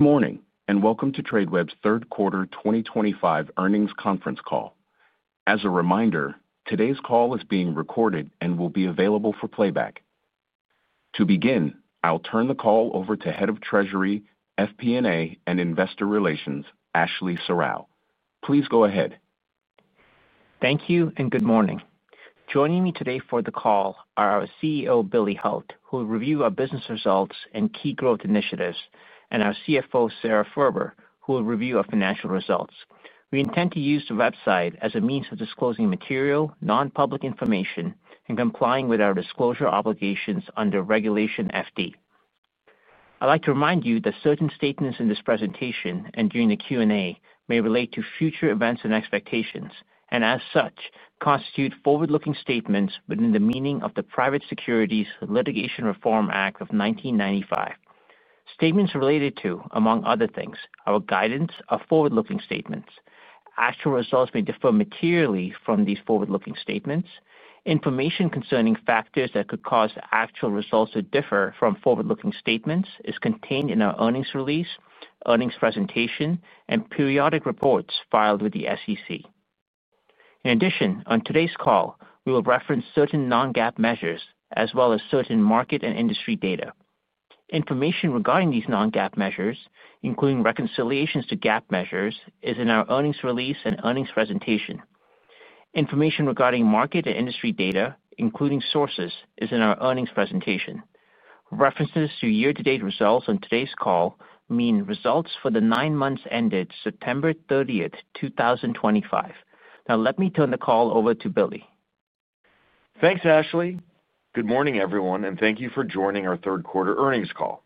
Good morning and welcome to Tradeweb's third quarter 2025 earnings conference call. As a reminder, today's call is being recorded and will be available for playback to begin. I'll turn the call over to Head of Treasury, FP&A and Investor Relations Ashley Serrao. Please go ahead. Thank you and good morning. Joining me today for the call are our CEO Billy Hult, who will review our business results and key growth initiatives, and our CFO Sara Furber, who will review our financial results. We intend to use the website as a means of disclosing material nonpublic information and complying with our disclosure obligations under Regulation FD. I'd like to remind you that certain statements in this presentation and during the Q&A may relate to future events and expectations and as such constitute forward-looking statements within the meaning of the Private Securities Litigation Reform Act of 1995. Statements related to, among other things, our guidance are forward-looking statements. Actual results may differ materially from these forward-looking statements. Information concerning factors that could cause actual results to differ from forward-looking statements is contained in our earnings release, earnings presentation, and periodic reports filed with the SEC. In addition, on today's call we will reference certain non-GAAP measures as well as certain market and industry data. Information regarding these non-GAAP measures, including reconciliations to GAAP measures, is in our earnings release and earnings presentation. Information regarding market and industry data, including sources, is in our earnings presentation. References to year-to-date results on today's call mean results for the nine months ended September 30th, 2025. Now let me turn the call over to Billy. Thanks, Ashley. Good morning, everyone, and thank you for joining our third quarter earnings call.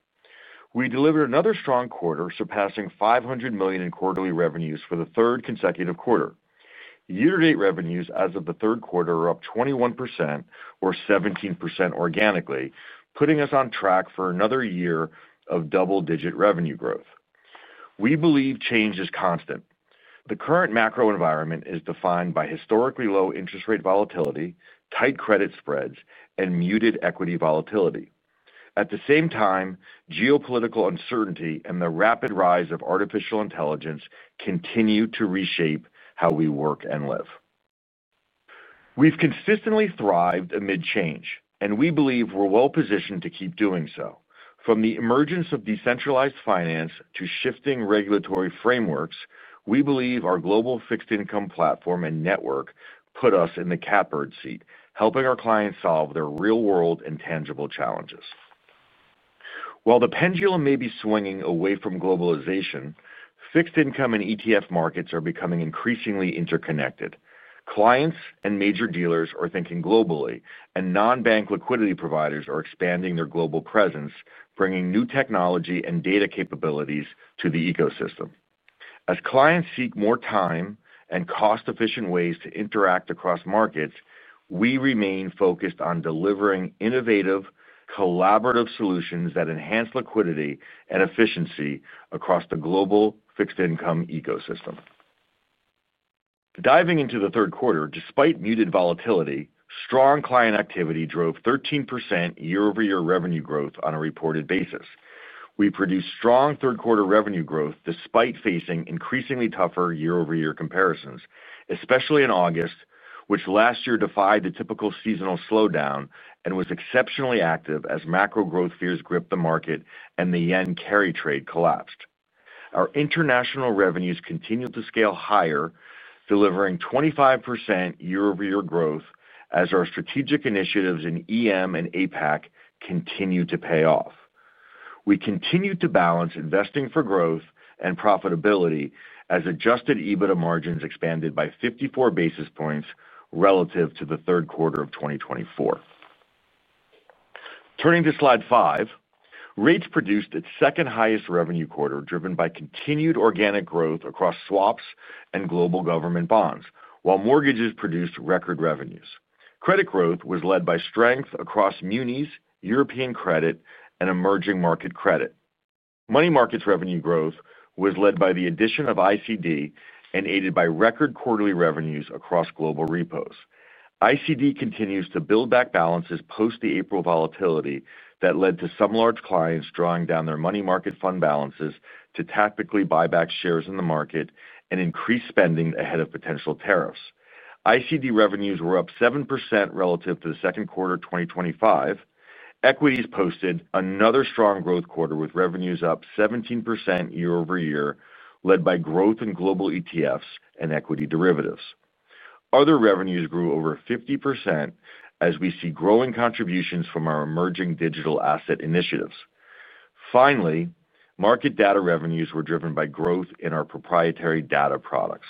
We delivered another strong quarter, surpassing $500 million in quarterly revenues for the third consecutive quarter year to date. Revenues as of the third quarter are up 21% or 17% organically, putting us on track for another year of double-digit revenue growth. We believe change is constant. The current macro environment is defined by historically low interest rate volatility, tight credit spreads, and muted equity volatility. At the same time, geopolitical uncertainty and the rapid rise of artificial intelligence continue to reshape how we work and live. We've consistently thrived amid change, and we believe we're well positioned to keep doing so. From the emergence of decentralized finance to shifting regulatory frameworks, we believe our global fixed income platform and network put us in the catbird seat, helping our clients solve their real-world intangible challenges. While the pendulum may be swinging away from globalization, fixed income and ETF markets are becoming increasingly interconnected. Clients and major dealers are thinking globally, and non-bank liquidity providers are expanding their global presence, bringing new technology and data capabilities to the ecosystem. As clients seek more time- and cost-efficient ways to interact across markets, we remain focused on delivering innovative, collaborative solutions that enhance liquidity and efficiency across the global fixed income ecosystem. Diving into the third quarter, despite muted volatility, strong client activity drove 13% year-over-year revenue growth on a reported basis. We produced strong third quarter revenue growth despite facing increasingly tougher year-over-year comparisons, especially in August, which last year defied the typical seasonal slowdown and was exceptionally active as macro growth fears gripped the market and the yen carry trade collapsed. Our international revenues continued to scale higher, delivering 25% year-over-year growth as our strategic initiatives in EM and APAC continue to pay off. We continued to balance investing for growth and profitability as adjusted EBITDA margins expanded. By 54 basis points relative to the. Third quarter of 2024. Turning to slide five, rates produced its second highest revenue quarter, driven by continued organic growth across swaps and global government bonds, while mortgages produced record revenues. Credit growth was led by strength across munis and European credit and emerging market credit. Money markets revenue growth was led by the addition of ICD and aided by record quarterly revenues across global repos. ICD continues to build back balances post the April volatility that led to some large clients drawing down their money market fund balances to tactically buy back shares in the market and increase spending ahead of potential tariffs. ICD revenues were up 7% relative to the second quarter. 2025 equities posted another strong growth quarter with revenues up 17% year-over-year, led by growth in global ETFs and equity derivatives. Other revenues grew over 50% as we see growing contributions from our emerging digital asset initiatives. Finally, market data revenues were driven by growth in our proprietary data products.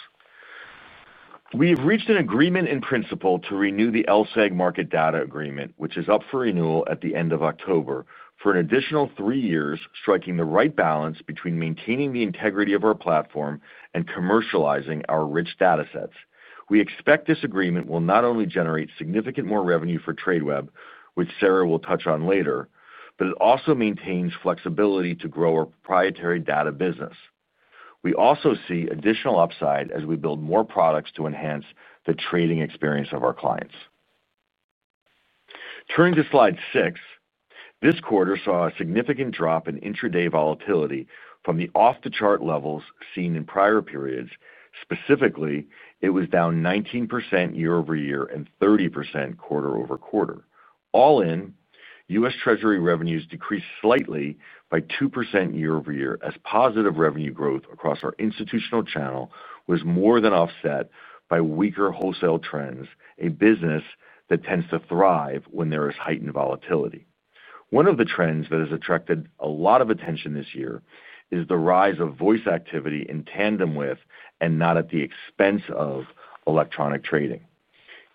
We have reached an agreement in principle to renew the LSEG market data contract, which is up for renewal at the end of October for an additional three years, striking the right balance between maintaining the integrity of our platform and commercializing our rich data sets. We expect this agreement will not only generate significantly more revenue for Tradeweb, which Sara will touch on later, but it also maintains flexibility to grow our proprietary data business. We also see additional upside as we build more products to enhance the trading experience of our clients. Turning to slide six, this quarter saw a significant drop in intraday volatility from the off-the-chart levels seen in prior periods. Specifically, it was down 19% year-over-year and 30% quarter-over-quarter. All in, U.S. Treasury revenues decreased slightly by 2% year-over-year as positive revenue growth across our institutional channel was more than offset by weaker wholesale trends, a business that tends to thrive when there is heightened volatility. One of the trends that has attracted a lot of attention this year is the rise of voice activity in tandem with, and not at the expense of, electronic trading.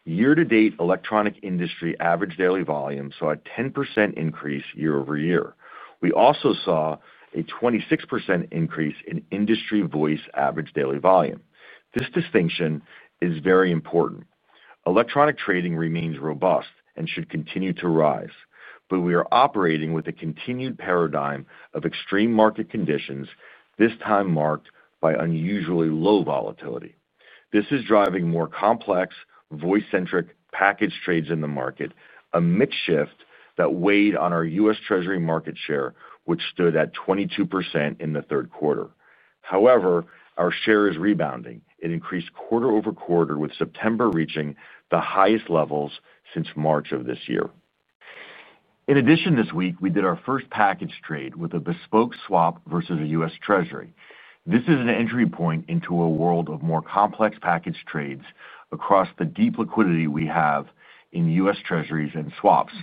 Year to date, electronic industry average daily volume saw a 10% increase year-over-year. We also saw a 26% increase in industry voice average daily volume. This distinction is very important. Electronic trading remains robust and should continue to rise, but we are operating with a continued paradigm of extreme market conditions, this time marked by unusually low volatility. This is driving more complex voice-centric package trades in the market, a mix shift that weighed on our U.S. Treasury market share which stood at 22% in the third quarter. However, our share is rebounding. It increased quarter-over-quarter with September reaching the highest levels since March of this year. In addition, this week we did our first package trade with a bespoke swap versus a U.S. Treasury. This is an entry point into a world of more complex package trades. Across the deep liquidity we have in U.S. Treasuries and swaps,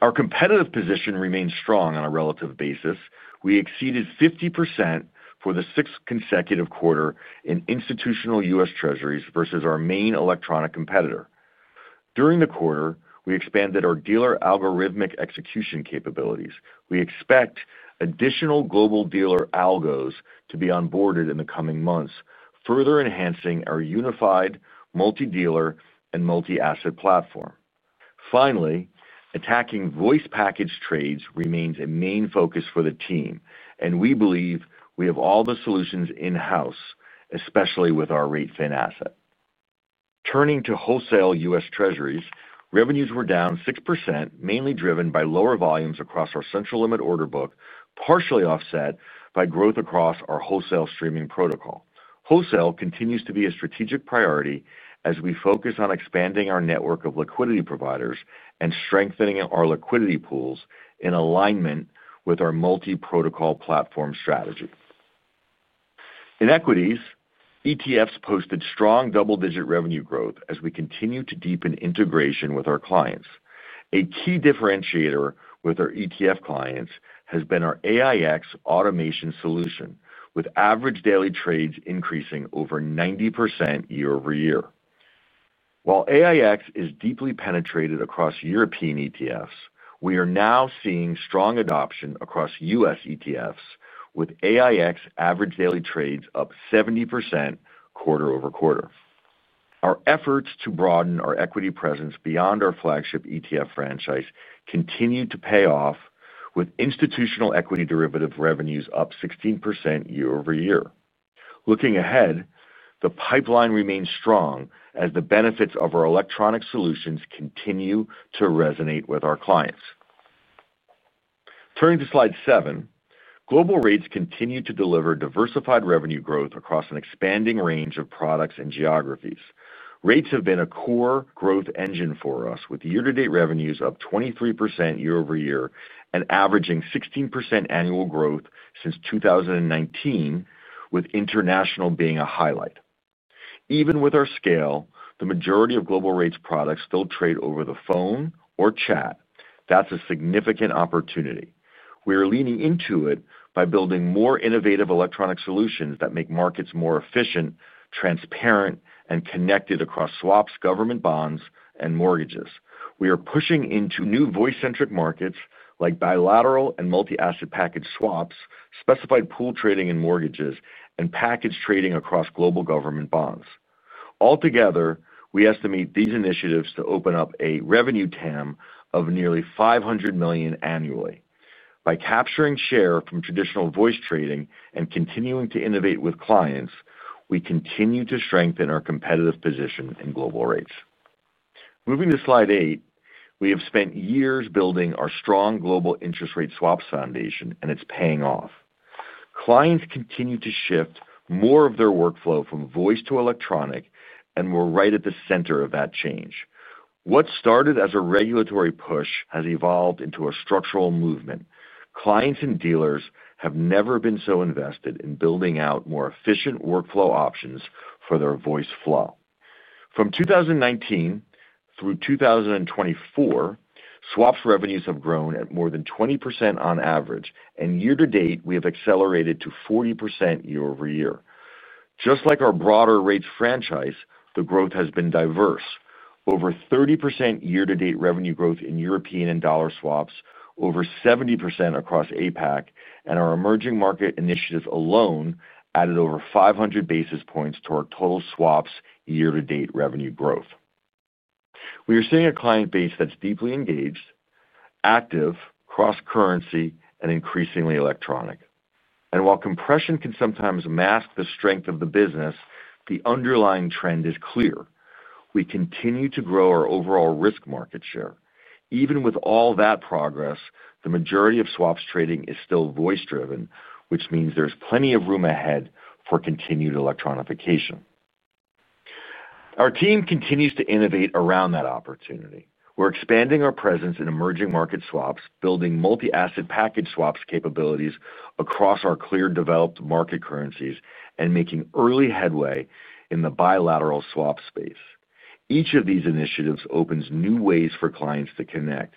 our competitive position remains strong. On a relative basis, we exceeded 50% for the sixth consecutive quarter in institutional U.S. Treasuries versus our main electronic competitor. During the quarter, we expanded our dealer algorithmic execution capabilities. We expect additional global dealer algos to be onboarded in the coming months, further enhancing our unified multi-dealer and multi-asset platform. Finally, attacking voice package trades remains a main focus for the team and we believe we have all the solutions in house, especially with our rates fin asset. Turning to wholesale U.S. Treasuries, revenues were down 6%, mainly driven by lower volumes across our central limit order book, partially offset by growth across our wholesale streaming protocol. Wholesale continues to be a strategic priority as we focus on expanding our network of liquidity providers and strengthening our liquidity pools and in alignment with our multi-protocol platform strategy. In equities, ETFs posted strong double-digit revenue growth as we continue to deepen integration with our clients. A key differentiator with our ETF clients has been our AIX automation solution with average daily trades increasing over 90% year-over-year. While AIX is deeply penetrated across European ETFs, we are now seeing strong adoption across U.S. ETFs with AIX average daily trades up 70% quarter-over-quarter. Our efforts to broaden our equity presence beyond our flagship ETF franchise continue to pay off with institutional equity derivative revenues up 16% year-over-year. Looking ahead, the pipeline remains strong as the benefits of our electronic solutions continue to resonate with our clients. Turning to slide seven, global rates continue to deliver diversified revenue growth across an expanding range of products and geographies. Rates have been a core growth engine for us, with year-to-date revenues up 23% year-over-year and averaging 16% annual growth since 2019, with international being a highlight. Even with our scale, the majority of global rates products still trade over the phone or chat. That's a significant opportunity. We are leaning into it by building more innovative electronic solutions that make markets more efficient, transparent, and connected. Across swaps, government bonds, and mortgages, we are pushing into new voice-centric markets like bilateral and multi-asset package swaps, specified pool trading in mortgages, and package trading across global government bonds. Altogether, we estimate these initiatives to open up a revenue TAM of nearly $500 million annually. By capturing share from traditional voice trading and continuing to innovate with clients, we continue to strengthen our competitive position in global rates. Moving to slide eight, we have spent years building our strong global Interest Rate Swaps foundation, and it's paying off. Clients continue to shift more of their workflow from voice to electronic, and we're right at the center of that change. What started as a regulatory push has evolved into a structural movement. Clients and dealers have never been so invested in building out more efficient workflow options for their voice flow. From 2019 through 2024, swaps revenues have grown at more than 20% on average, and year to date we have accelerated to 40% year-over-year. Just like our broader rates franchise, the growth has been diverse: over 30% year-to-date revenue growth in European and dollar swaps, over 70% across APAC, and our emerging market initiatives alone added over 500 basis points to our total swaps year-to-date revenue growth. We are seeing a client base that's deeply engaged, active, cross-currency, and increasingly electronic. While compression can sometimes mask the strength of the business, the underlying trend is clear. We continue to grow our overall risk market share. Even with all that progress, the majority of swaps trading is still voice driven, which means there's plenty of room ahead for continued electronification. Our team continues to innovate around that opportunity. We're expanding our presence in emerging market swaps, building multi-asset package swaps capabilities across our cleared developed market currencies and making early headway in the bilateral swap space. Each of these initiatives opens new ways for clients to connect,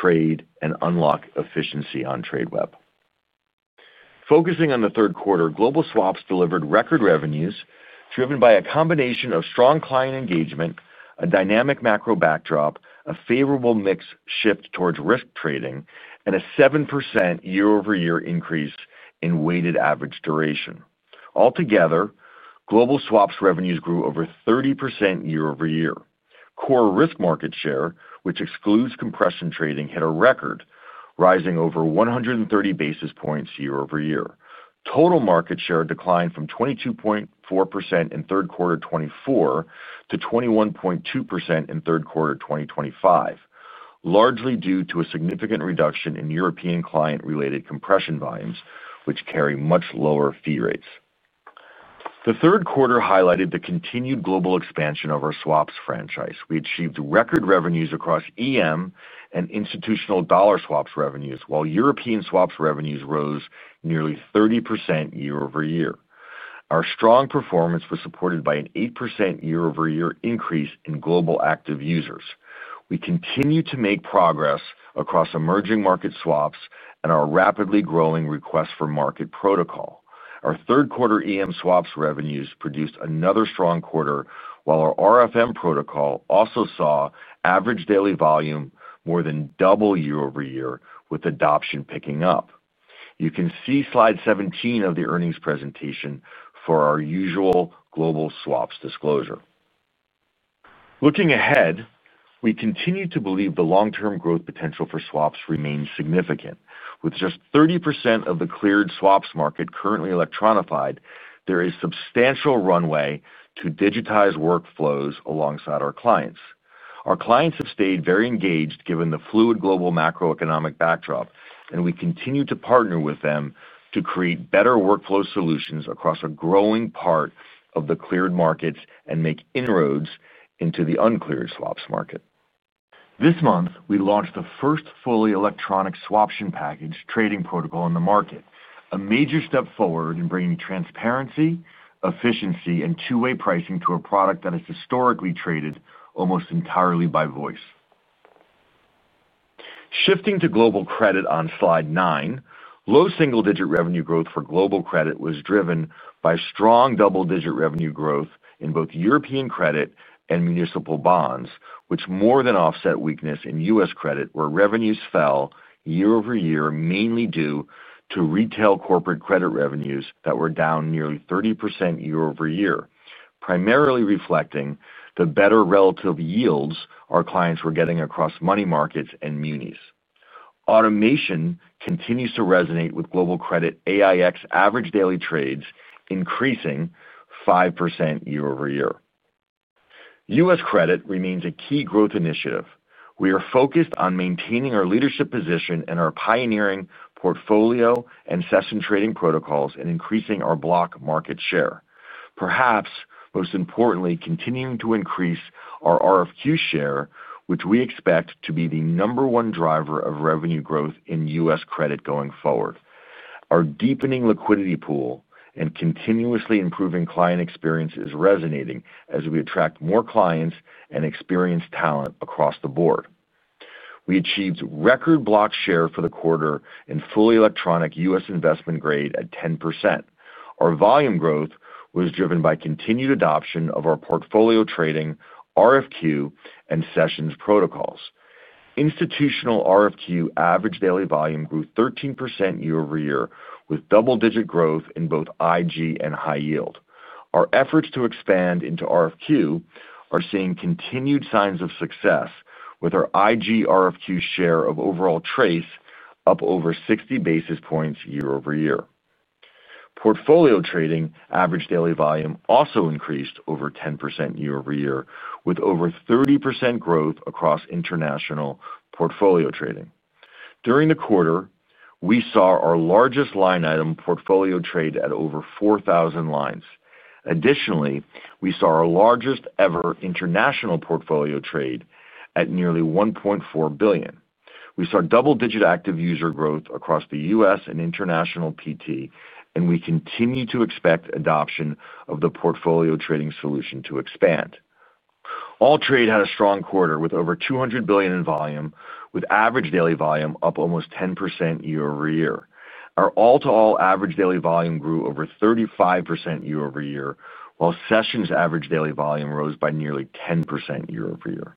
trade, and unlock efficiency on Tradeweb. Focusing on the third quarter, global swaps delivered record revenues driven by a combination of strong client engagement, a dynamic macro backdrop, a favorable mix shift towards risk trading, and a 7% year-over-year increase in weighted average duration. Altogether, global swaps revenues grew over 30% year-over-year. Core risk market share, which excludes compression trading, hit a record, rising over 130 basis points year-over-year. Total market share declined from 22.4% in third quarter 2024 to 21.2% in third quarter 2025, largely due to a significant reduction in European client-related compression volumes, which carry much lower fee rates. The third quarter highlighted the continued global expansion of our swaps franchise. We achieved record revenues across EM and institutional dollar swaps revenues, while European swaps revenues rose nearly 30% year-over-year. Our strong performance was supported by an 8% year-over-year increase in global active users. We continue to make progress across emerging market swaps and our rapidly growing request-for-market protocol. Our third quarter EM swaps revenues produced another strong quarter, while our RFM protocol also saw average daily volume more than double year-over-year, with adoption picking up. You can see slide 17 of the earnings presentation for our usual global swaps disclosure. Looking ahead, we continue to believe the long-term growth potential for swaps remains significant. With just 30% of the cleared swaps market currently electronified, there is substantial runway to digitize workflows alongside our clients. Our clients have stayed very engaged given the fluid global macroeconomic backdrop, and we continue to partner with them to create better workflow solutions across a growing part of the cleared markets and make inroads into the uncleared swaps market. This month, we launched the first fully electronic swaption package trading protocol in the market, a major step forward in bringing transparency, efficiency, and two-way pricing to a product that is historically traded almost entirely by voice. Shifting to global credit on slide nine, low single digit revenue growth for global credit was driven by strong double digit revenue growth in both European credit and municipal bonds, which more than offset weakness in U.S. credit where revenues fell year-over-year mainly due to retail corporate credit revenues that were down nearly 30% year-over-year, primarily reflecting the better relative yields our clients were getting across money markets and munis. Automation continues to resonate with global credit, AIX average daily trades increasing 5% year-over-year. U.S. credit remains a key growth initiative. We are focused on maintaining our leadership position and are pioneering portfolio and session trading protocols and increasing our block market share. Perhaps most importantly, continuing to increase our RFQ share, which we expect to be the number one driver of revenue growth in U.S. credit going forward. Our deepening liquidity pool and continuously improving client experience is resonating as we attract more clients and experienced talent across the board. We achieved record block share for the quarter in fully electronic U.S. investment grade at 10%. Our volume growth was driven by continued adoption of our portfolio trading, RFQ, and sessions protocols. Institutional RFQ average daily volume grew 13% year-over-year with double digit growth in both IG and high yield. Our efforts to expand into RFQ are seeing continued signs of success with our IG RFQ share of overall TRACE up over 60 basis points year-over-year. Portfolio trading average daily volume also increased over 10% year-over-year with over 30% growth across international portfolio trading. During the quarter, we saw our largest line item portfolio trade at over 4,000 lines. Additionally, we saw our largest ever international portfolio trade mark at nearly $1.4 billion. We saw double digit active user growth across the U.S. and international PT, and we continue to expect adoption of the portfolio trading solution to expand. AllTrade had a strong quarter with over $200 billion in volume, with average daily volume up almost 10% year-over-year. Our all to all average daily volume grew over 35% year-over-year, while Sessions average daily volume rose by nearly 10% year-over-year.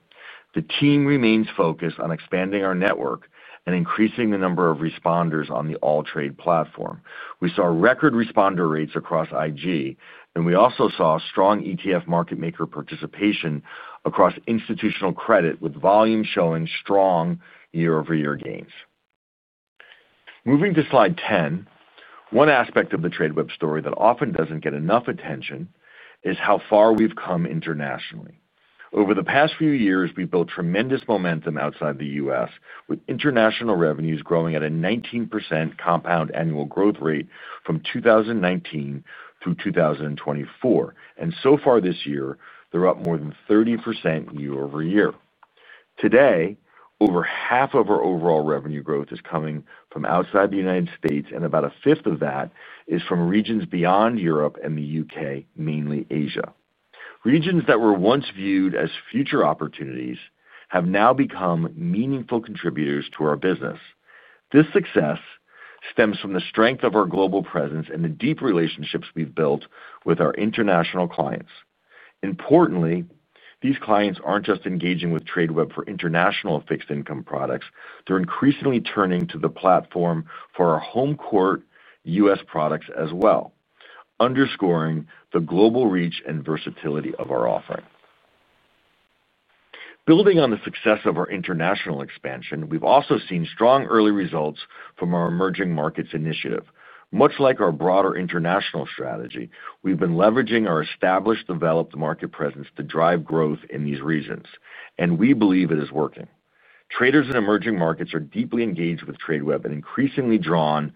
The team remains focused on expanding our network and increasing the number of responders on the AllTrade platform. We saw record responder rates across IG and we also saw strong ETF market maker participation across Institutional Credit, with volume showing strong year-over-year gains. Moving to slide 10, one aspect of the Tradeweb story that often doesn't get enough attention is how far we've come internationally over the past few years. We've built tremendous momentum outside the U.S., with international revenues growing at a 19% compound annual growth rate from 2019 through 2024, and so far this year they're up more than 30% year-over-year. Today, over half of our overall revenue growth is coming from outside the United States, and about a fifth of that is from regions beyond Europe and the U.K., mainly Asia. Regions that were once viewed as future opportunities have now become meaningful contributors to our business. This success stems from the strength of our global presence and the deep relationships we've built with our international clients. Importantly, these clients aren't just engaging with Tradeweb for international fixed income products, they're increasingly turning to the platform for our home court U.S. products as well, underscoring the global reach and versatility of our offering. Building on the success of our international expansion, we've also seen strong early results from our emerging markets initiative. Much like our broader international strategy, we've been leveraging our established developed market presence to drive growth in these regions, and we believe it is working. Traders in emerging markets are deeply engaged with Tradeweb and increasingly drawn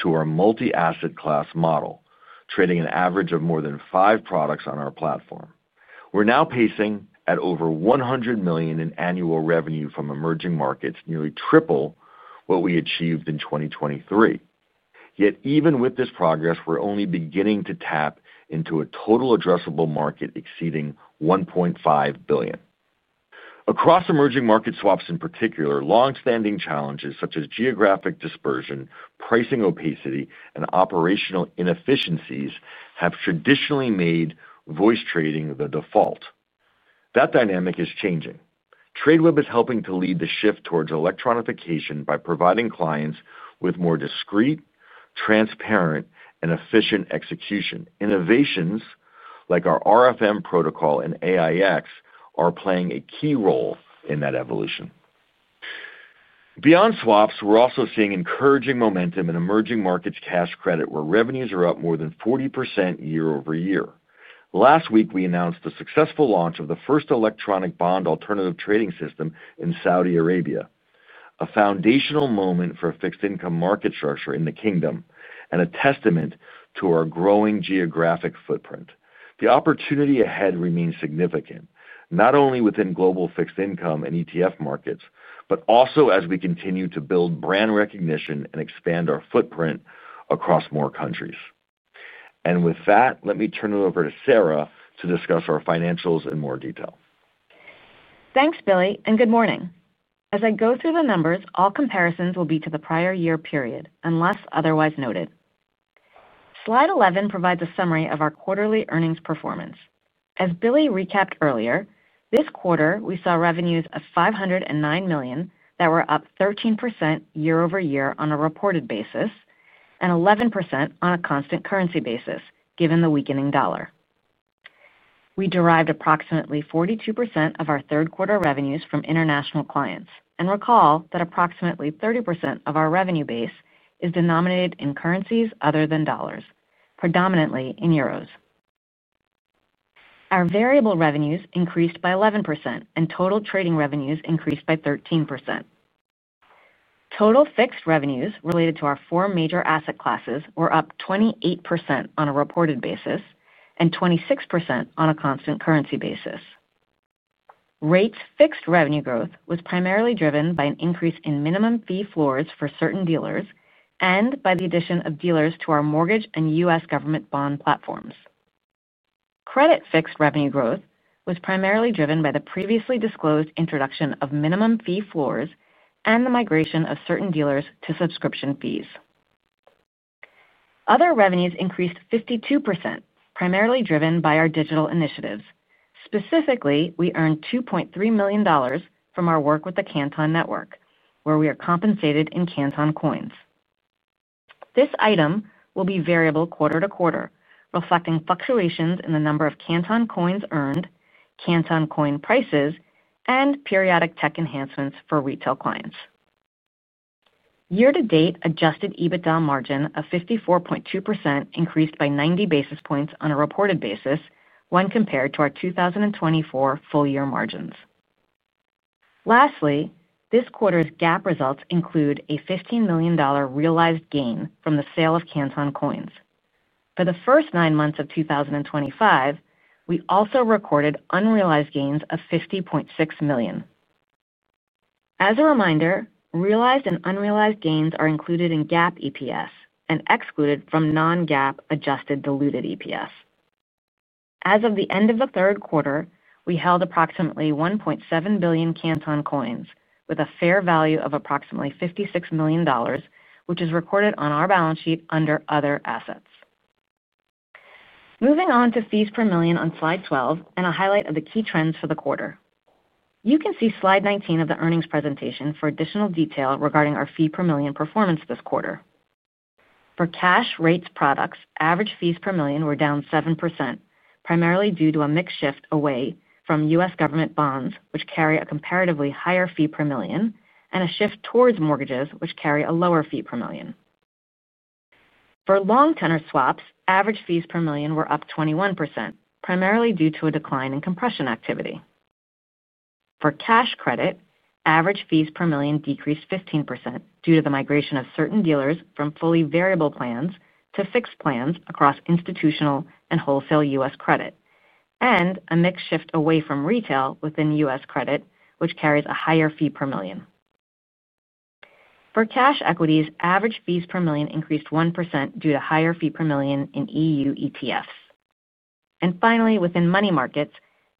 to our multi-asset class model, trading an average of more than five products on our platform. We're now pacing at over $100 million in annual revenue from emerging markets, nearly triple what we achieved in 2023. Yet even with this progress, we're only beginning to tap into a total addressable market exceeding $1.5 billion across emerging market swaps. In particular, longstanding challenges such as geographic dispersion, pricing opacity, and operational inefficiencies have traditionally made voice trading the default. That dynamic is changing. Tradeweb is helping to lead the shift towards electronification by providing clients with more discreet, transparent, and efficient execution. Innovations like our RFM protocol and `AIX are playing a key role in that evolution. Beyond swaps, we're also seeing encouraging momentum in emerging markets cash credit where revenues are up more than 40% year-over-year. Last week we announced the successful launch of the first electronic bond alternative trading system in Saudi Arabia, a foundational moment for a fixed income market structure in the Kingdom and a testament to our growing geographic footprint. The opportunity ahead remains significant not only within global fixed income and ETF markets, but also as we continue to build brand recognition and expand our footprint across more countries. Let me turn it over to Sara to discuss our financials in more detail. Thanks Billy and good morning. As I go through the numbers, all comparisons will be to the prior year period unless otherwise noted. Slide 11 provides a summary of our quarterly earnings performance. As Billy recapped earlier this quarter, we saw revenues of $509 million that were up 13% year-over-year on a reported basis and 11% on a constant currency basis. Given the weakening dollar, we derived approximately 42% of our third quarter revenues from international clients. Recall that approximately 30% of our revenue base is denominated in currencies other than dollars, predominantly in euros. Our variable revenues increased by 11% and total trading revenues increased by 13%. Total fixed revenues related to our four major asset classes were up 28% on a reported basis and 26% on a constant currency basis. Rates fixed revenue growth was primarily driven by an increase in minimum fee floors for certain dealers and by the addition of dealers to our mortgage and U.S. government bond platforms. Credit fixed revenue growth was primarily driven by the previously disclosed introduction of minimum fee floors and the migration of certain dealers to subscription fees. Other revenues increased 52%, primarily driven by our digital initiatives. Specifically, we earned $2.3 million from our work with The Canton Network where we are compensated in Canton Coins. This item will be variable quarter to quarter, reflecting fluctuations in the number of Canton Coins earned, Canton coin prices, and periodic tech enhancements for retail clients. Year to date, adjusted EBITDA margin of 54.2% increased by 90 basis points on a reported basis when compared to our 2024 full year margins. Lastly, this quarter's GAAP results include a $15 million realized gain from the sale of Canton Coins for the first nine months of 2025. We also recorded unrealized gains of $50.6 million. As a reminder, realized and unrealized gains are included in GAAP EPS and excluded from non-GAAP adjusted diluted EPS. As of the end of the third quarter, we held approximately 1.7 billion Canton Coins with a fair value of approximately $56 million, which is recorded on our balance sheet under Other Assets. Moving on to fees per million on slide 12 and a highlight of the key trends for the quarter. You can see slide 19 of the earnings presentation for additional detail regarding our fee per million performance this quarter. For cash rates products, average fees per million were down 7% primarily due to a mix shift away from U.S. government bonds which carry a comparatively higher fee per million, and a shift towards mortgages which carry a lower fee per million. For long tenor swaps, average fees per million were up 21% primarily due to a decline in compression activity. For cash credit, average fees per million decreased 15% due to the migration of certain dealers from fully variable plans to fixed plans across institutional and wholesale U.S. Credit and a mix shift away from retail. Within U.S. credit, which carries a higher fee per million. For cash equities, average fees per million increased 1% due to higher fee per million in EU ETFs. Finally, within money markets,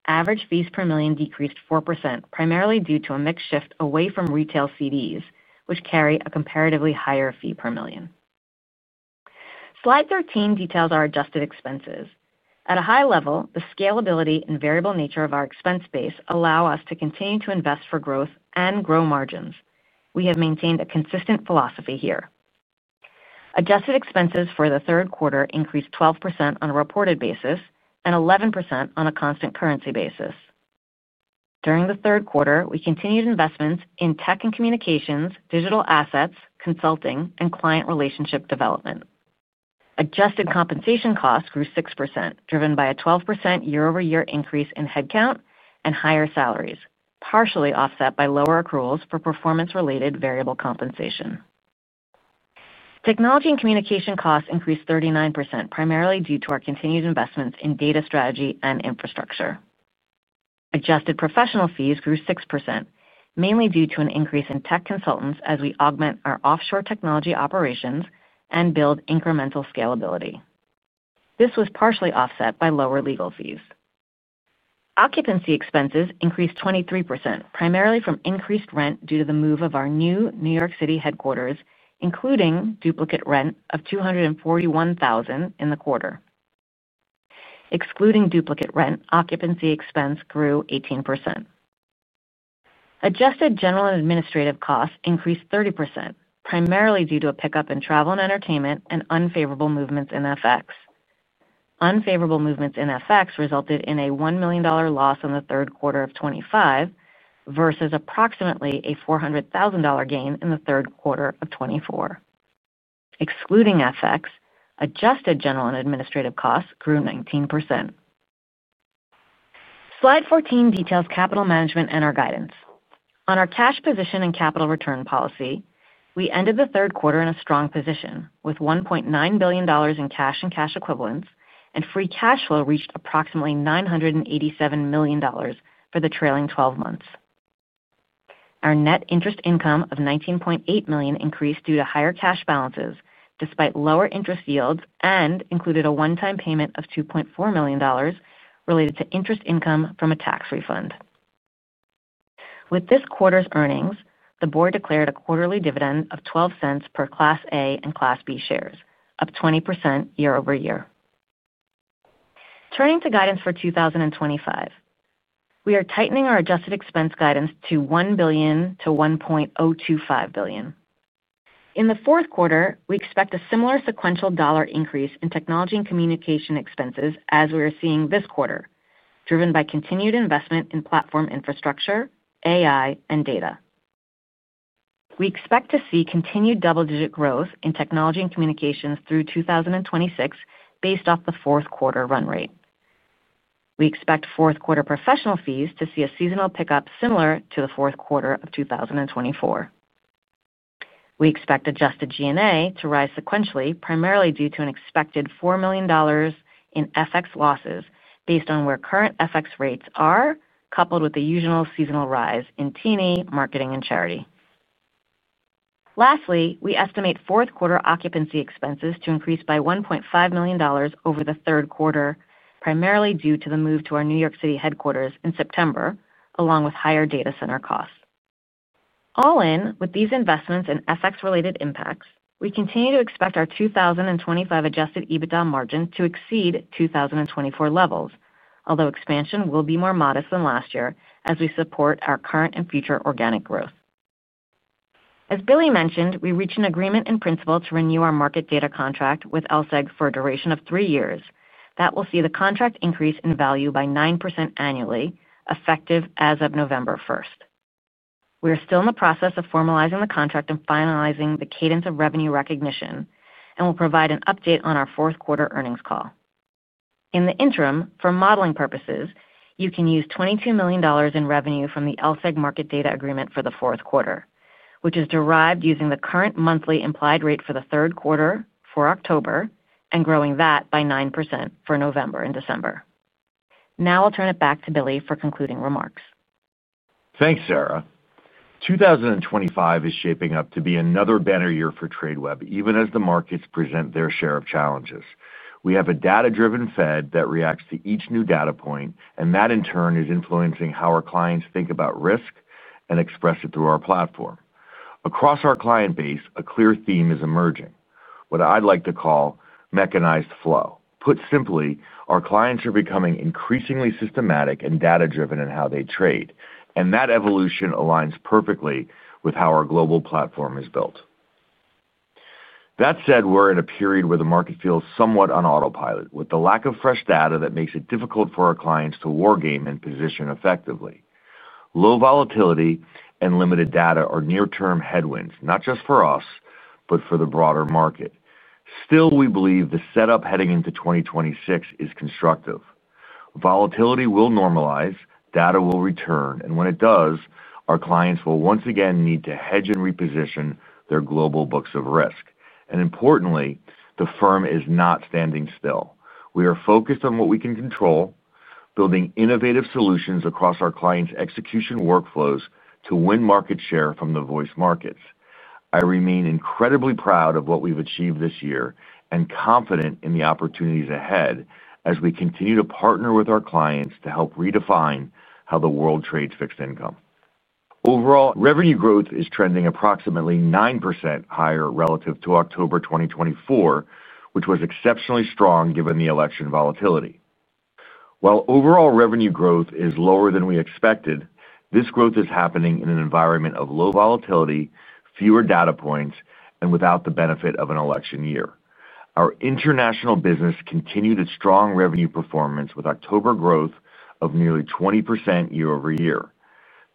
average fees per million decreased 4% primarily due to a mix shift away from retail CDs which carry a comparatively higher fee per million. Slide 13 details our adjusted expenses at a high level. The scalability and variable nature of our expense base allow us to continue to invest for growth and grow margins. We have maintained a consistent philosophy here. Adjusted expenses for the third quarter increased 12% on a reported basis and 11% on a constant currency basis. During the third quarter, we continued investments in tech and communications, digital assets, consulting, and client relationship development. Adjusted compensation costs grew 6% driven by a 12% year-over-year increase in headcount and higher salaries, partially offset by lower accruals for performance related variable compensation. Technology and communication costs increased 39% primarily due to our continued investments in data, strategy, and infrastructure. Adjusted professional fees grew 6% mainly due to an increase in tech consultants as we augment our offshore technology operations and build incremental scalability. This was partially offset by lower legal fees. Occupancy expenses increased 23% primarily from increased rent due to the move of our new New York City headquarters, including duplicate rent of $241,000 in the quarter. Excluding duplicate rent, occupancy expense grew 18%. Adjusted general and administrative costs increased 30% primarily due to a pickup in travel and entertainment and unfavorable movements in FX. Unfavorable movements in FX resulted in a $1 million loss in 3Q25 versus approximately a $400,000 gain in 3Q of 2024. Excluding FX, adjusted general and administrative costs grew 19%. Slide 14 details capital management and our guidance on our cash position and capital return policy. We ended the third quarter in a strong position with $1.9 billion in cash and cash equivalents, and free cash flow reached approximately $987 million for the trailing twelve months. Our net interest income of $19.8 million increased due to higher cash balances despite lower interest yields and included a one-time payment of $2.4 million related to interest income from a tax refund. With this quarter's earnings, the Board declared a quarterly dividend of $0.12 per Class A and Class B shares, up 20% year-over-year. Turning to guidance for 2025, we are. Tightening our adjusted expense guidance to $1. Billion to $1.025 billion in the fourth quarter. We expect a similar sequential dollar increase in technology and communication expenses. As we are seeing this quarter driven by continued investment in platform infrastructure, AI and data, we expect to see continued double digit growth in technology and communications through 2026 based off the fourth quarter run rate. We expect fourth quarter professional fees to see a seasonal pickup similar to the fourth quarter of 2024. We expect adjusted G&A to rise sequentially primarily due to an expected $4 million in FX losses. Based on where current FX rates are coupled with the usual seasonal rise in T&E, marketing and charity. Lastly, we estimate fourth quarter occupancy expenses to increase by $1.5 million over the third quarter primarily due to the move to our New York City headquarters in September along with higher data center costs. All in, with these investments and FX related impacts, we continue to expect our 2025 adjusted EBITDA margin to exceed 2024 levels, although expansion will be more modest than last year as we support our current and future organic growth. As Billy mentioned, we reached an agreement in principle to renew our market data contract with LSEG for a duration of three years that will see the contract increase in value by 9% annually effective as of November 1st. We are still in the process of formalizing the contract and finalizing the cadence of revenue recognition and will provide an update on our fourth quarter earnings call. In the interim, for modeling purposes, you can use $22. million in revenue from the LSEG market. Data agreement for the fourth quarter, which is derived using the current monthly implied rate for the third quarter for October and growing that by 9% for November and December. Now I'll turn it back to Billy for concluding remarks. Thanks Sara. 2025 is shaping up to be another banner year for Tradeweb, even as the markets present their share of challenges. We have a data-driven Fed that reacts to each new data point, and that in turn is influencing how our clients think about risk and express it through our platform. Across our client base, a clear theme is emerging, what I'd like to call mechanized flow. Put simply, our clients are becoming increasingly systematic and data-driven in how they trade, and that evolution aligns perfectly with how our global platform is built. That said, we're in a period where the market feels somewhat on autopilot with the lack of fresh data that makes it difficult for our clients to war game and position effectively. Low volatility and limited data are near-term headwinds, not just for us, but for the broader market. Still, we believe the setup heading into 2026 is constructive. Volatility will normalize, data will return, and when it does, our clients will once again need to hedge and reposition their global books of risk. Importantly, the firm is not standing still. We are focused on what we can control, building innovative solutions across our clients' execution workflows to win market share from the voice markets. I remain incredibly proud of what we've achieved this year and confident in the opportunities ahead as we continue to partner with our clients to help redefine how the world trades fixed income. Overall revenue growth is trending approximately 9% higher relative to October 2024, which was exceptionally strong given the election volatility. While overall revenue growth is lower than we expected, this growth is happening in an environment of low volatility, fewer data points, and without the benefit of an election year. Our international business continued its strong revenue performance with October growth of nearly 20% year-over-year.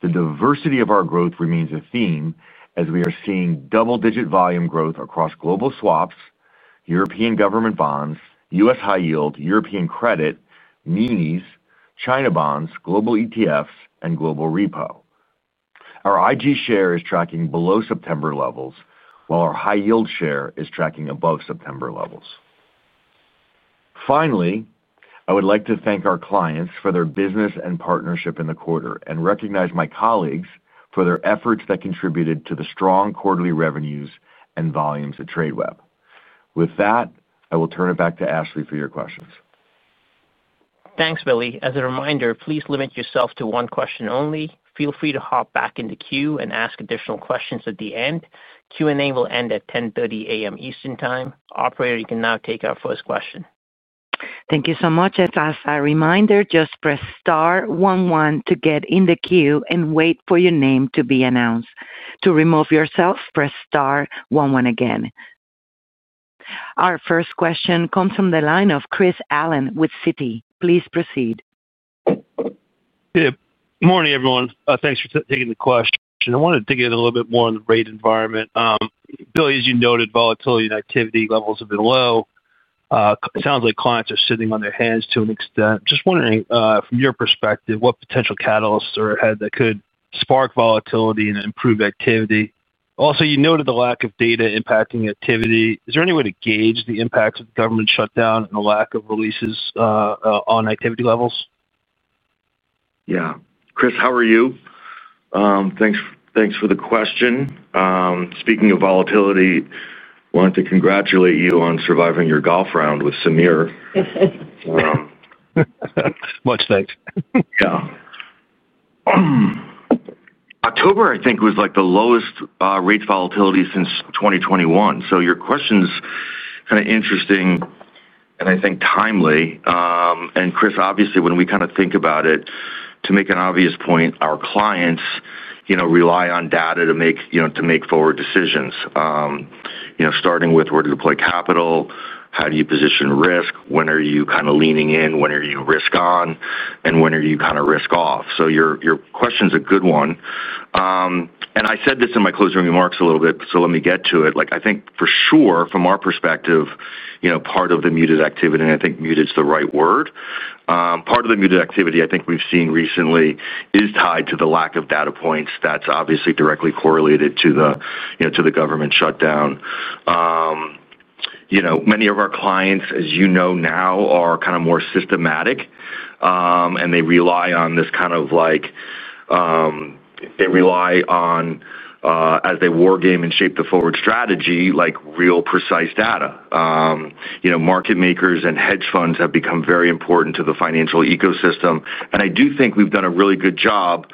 The diversity of our growth remains a theme as we are seeing double-digit volume growth across global swaps, European government bonds, U.S. high yield, European credit, munis, China bonds, global ETFs, and global repo. Our IG share is tracking below September levels while our high yield share is tracking above September levels. Finally, I would like to thank our clients for their business and partnership in the quarter and recognize my colleagues for their efforts that contributed to the strong quarterly revenues and volumes at Tradeweb. With that, I will turn it back to Ashley for your questions. Thanks, Billy. As a reminder, please limit yourself to one question only. Feel free to hop back in the queue and ask additional questions at the end. Q&A will end at 10:30 A.M. Eastern Time. Operator, you can now take our first question. Thank you so much. As a reminder, just press star one one to get in the queue and wait for your name to be announced. To remove yourself, press star one one again. Our first question comes from the line of Chris Allen with Citi. Please proceed. Good morning, everyone. Thanks for taking the question. I wanted to get a little bit. More on the rates environment. Billy, as you noted, volatility and activity levels have been low. It sounds like clients are sitting on. Their hands to an extent. Just wondering from your perspective what potential catalysts are ahead that could spark volatility and improve activity. Also, you noted the lack of data impacting activity. Is there any way to gauge the impacts of government shutdown and the lack of releases on activity levels? Yeah, Chris, how are you? Thanks for the question. Speaking of volatility, want to congratulate you on surviving your golf round with Sameer. What's next? Yeah. October, I think was like the lowest rate volatility since 2021. Your question's kind of interesting and I think timely. Chris, obviously when we kind of think about it, to make an obvious point, our clients rely on data to make forward decisions, starting with where to deploy capital. How do you position risk? When are you kind of leaning in? When are you risk on and when are you kind of risk off? Your question's a good one. I said this in my closing remarks a little bit. Let me get to it. I think for sure, from our perspective, part of the muted activity, and I think muted is the right word, part of the muted activity I think we've seen recently is tied to the lack of data points, points that's obviously directly correlated to the government shutdown. Many of our clients, as you know now, are kind of more systematic and they rely on this kind of like they rely on as they war game and shape the forward strategy, like real precise data. Market makers and hedge funds have become very important to the financial ecosystem. I do think we've done a really good job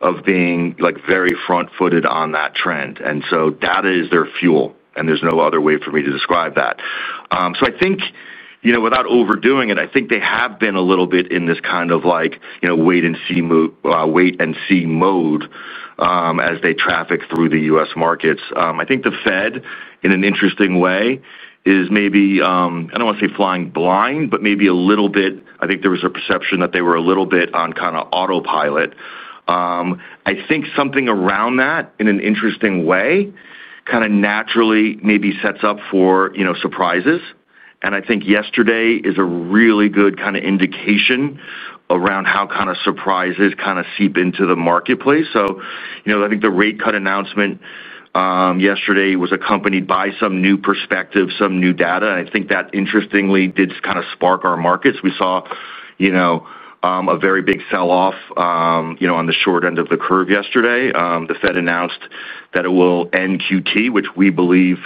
of being very front footed on that trend. Data is their fuel. There's no other way for me to describe that. Without overdoing it, I think they have been a little bit in this kind of like wait and see mode as they traffic through the U.S. markets. I think the Fed in an interesting way is maybe, I don't want to say flying blind, but maybe a little bit. There was a perception that they were a little bit on autopilot. I think something around that in an interesting way kind of naturally maybe sets up for surprises. I think yesterday is a really good kind of indication around how surprises kind of seep into the marketplace. The rate cut announcement yesterday was accompanied by some new perspective, some new data, I think that interestingly did kind of spark our markets. We saw a very big sell off on the short end of the curve. Yesterday the Fed announced that it will end QT, which we believe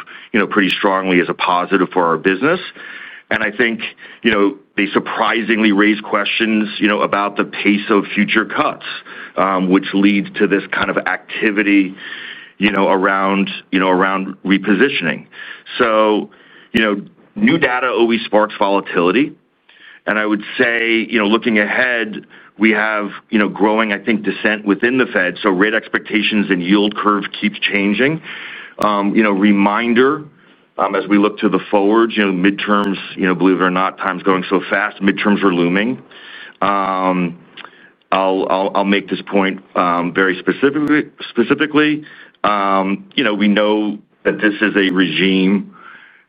pretty strongly is a positive for our business. I think they surprisingly raise questions about the pace of future cuts which leads to this kind of activity around repositioning. New data always sparks volatility. I would say, looking ahead, we have growing, I think, dissent within the Fed. Rate expectations and yield curve keep changing. Reminder, as we look to the forward, midterms, believe it or not, time's going so fast, midterms are looming. I'll make this point very specifically. We know that this is a regime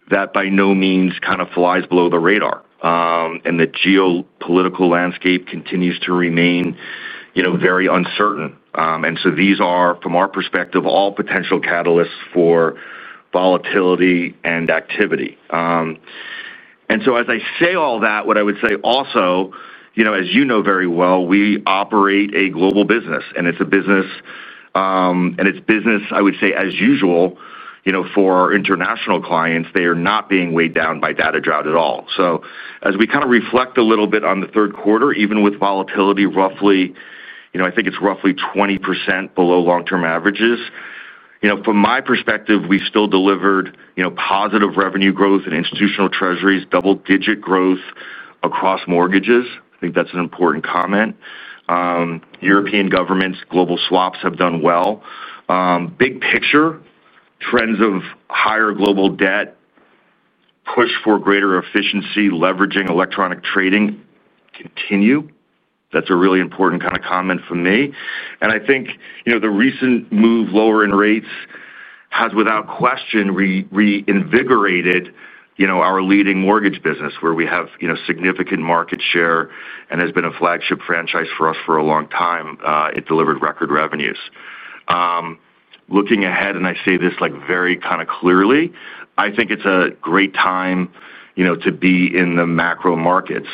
that by no means kind of flies below the radar and the geopolitical landscape continues to remain very uncertain. These are from our perspective all potential catalysts for volatility and activity. As I say all that, what I would say also, as you know very well, we operate a global business and it's business as usual for international clients. They are not being weighed down by data drought at all. As we reflect a little bit on the third quarter, even with volatility roughly, I think it's roughly 20% below long-term averages, from my perspective, we still delivered positive revenue growth in institutional Treasuries, double-digit growth across mortgages. I think that's an important comment. European governments, global swaps have done well. Big picture trends of higher global debt, push for greater efficiency, leveraging electronic trading continue. That's a really important kind of comment for me. I think the recent move lower in rates has without question reinvigorated our leading mortgage business where we have significant market share and has been a flagship franchise for us for a long time. It delivered record revenues. Looking ahead, and I say this very clearly, I think it's a great time to be in the macro markets.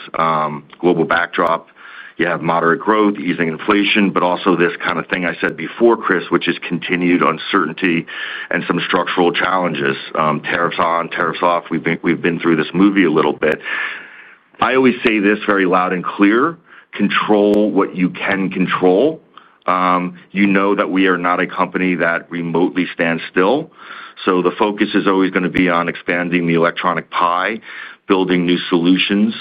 Global backdrop, you have moderate growth, easing inflation, but also this kind of thing I said before, Chris, which is continued uncertainty and some structural challenges, tariffs on, tariffs off. We think we've been through this movie a little bit. I always say this very loud and clear, control what you can control. You know that we are not a company that remotely stands still. The focus is always going to be on expanding the electronic pie, building new solutions,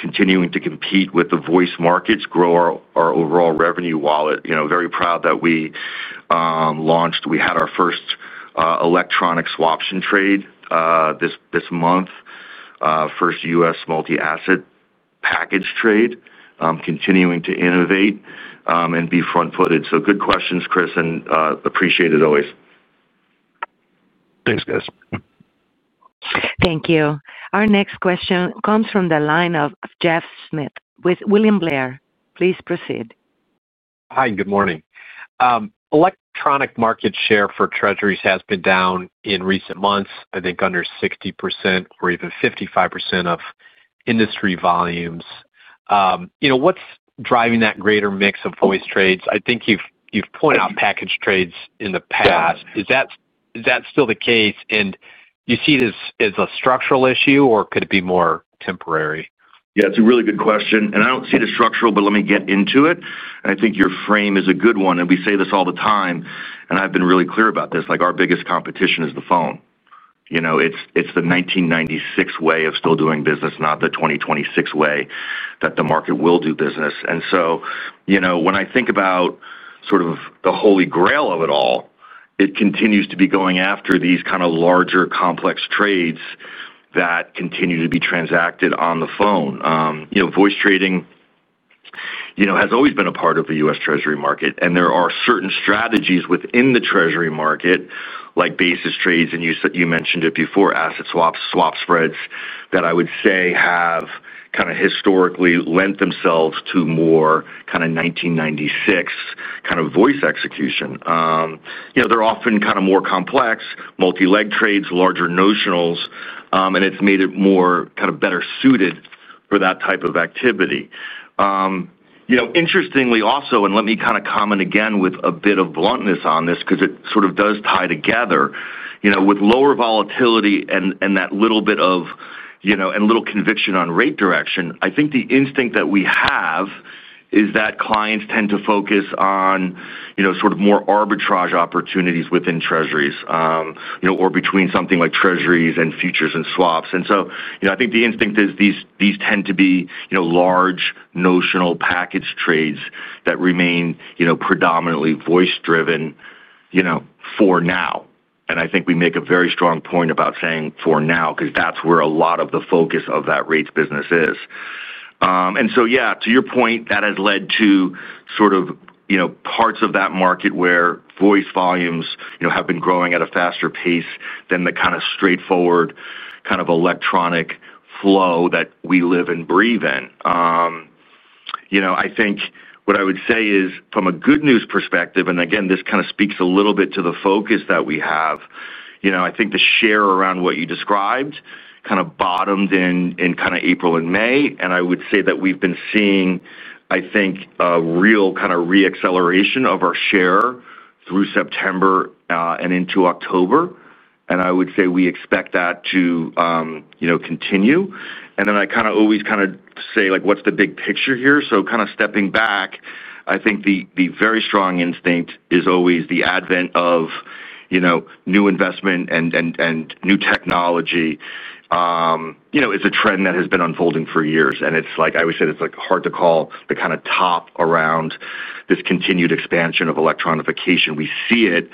continuing to compete with the voice markets, grow our overall revenue wallet. Very proud that we launched, we had our first electronic swaption trade this month. First U.S. multi-asset package trade. Continuing to innovate and be front footed. Good questions, Chris, and appreciate it always. Thanks guys. Thank you. Our next question comes from the line of Jeff Schmitt with William Blair. Please proceed. Hi and good morning. Electronic market share for Treasuries has been down in recent months, I think under 60% or even 55% of industry volumes. What's driving that greater mix of voice trades? I think you've pointed out package trades in the past. Is that still the case and do you see this as a structural issue or could it be more temporary? Yeah, it's a really good question and I don't see it as structural, but let me get into it. I think your frame is a good one. We say this all the time and I've been really clear about this. Our biggest competition is the phone. It's the 1996 way of still doing business, not the 2026 way that the market will do business. When I think. About sort of the holy grail of. It continues to be going after these kind of larger, complex trades that continue to be transacted on the phone. Voice trading has always been a part of the U.S. Treasury market. There are certain strategies within the Treasury market like basis trades, and you mentioned it before, asset swap spreads, that I would say have kind of historically lent themselves to more kind of 1996 kind of voice execution. They're often more complex, multi-leg trades, larger notionals, and it's made it more. Kind of better suited for that type of activity. Interestingly also, let me comment again with a bit of bluntness on this because it sort of does tie together with lower volatility and that little bit of, you know, little conviction on rate direction. I think the instinct that we have is that clients tend to focus on more arbitrage opportunities within Treasuries or between something like Treasuries and futures and swaps. I think the instinct is these tend to be large notional package trades that remain predominantly voice driven for now. We make a very strong point about saying for now because that's where a lot of the focus of that rates business is. To your point, that has led to parts of that market where voice volumes have been growing at a faster pace than the kind of straightforward electronic flow that we live and breathe in. From a good news perspective, and again, this speaks a little bit to the focus that we have, I think the share around what you described kind of bottomed in April and May. I would say that we've been seeing real reacceleration of our share through September and into October. I would say we expect that to continue. I kind of always kind. Of say, like, what's the big picture here? Kind of stepping back, I think the very strong instinct is always the advent of, you know, new investment and new technology. You know, it is a trend that has been unfolding for years. It's like, I would say, it's hard to call the kind of top around this continued expansion of electronification. We see it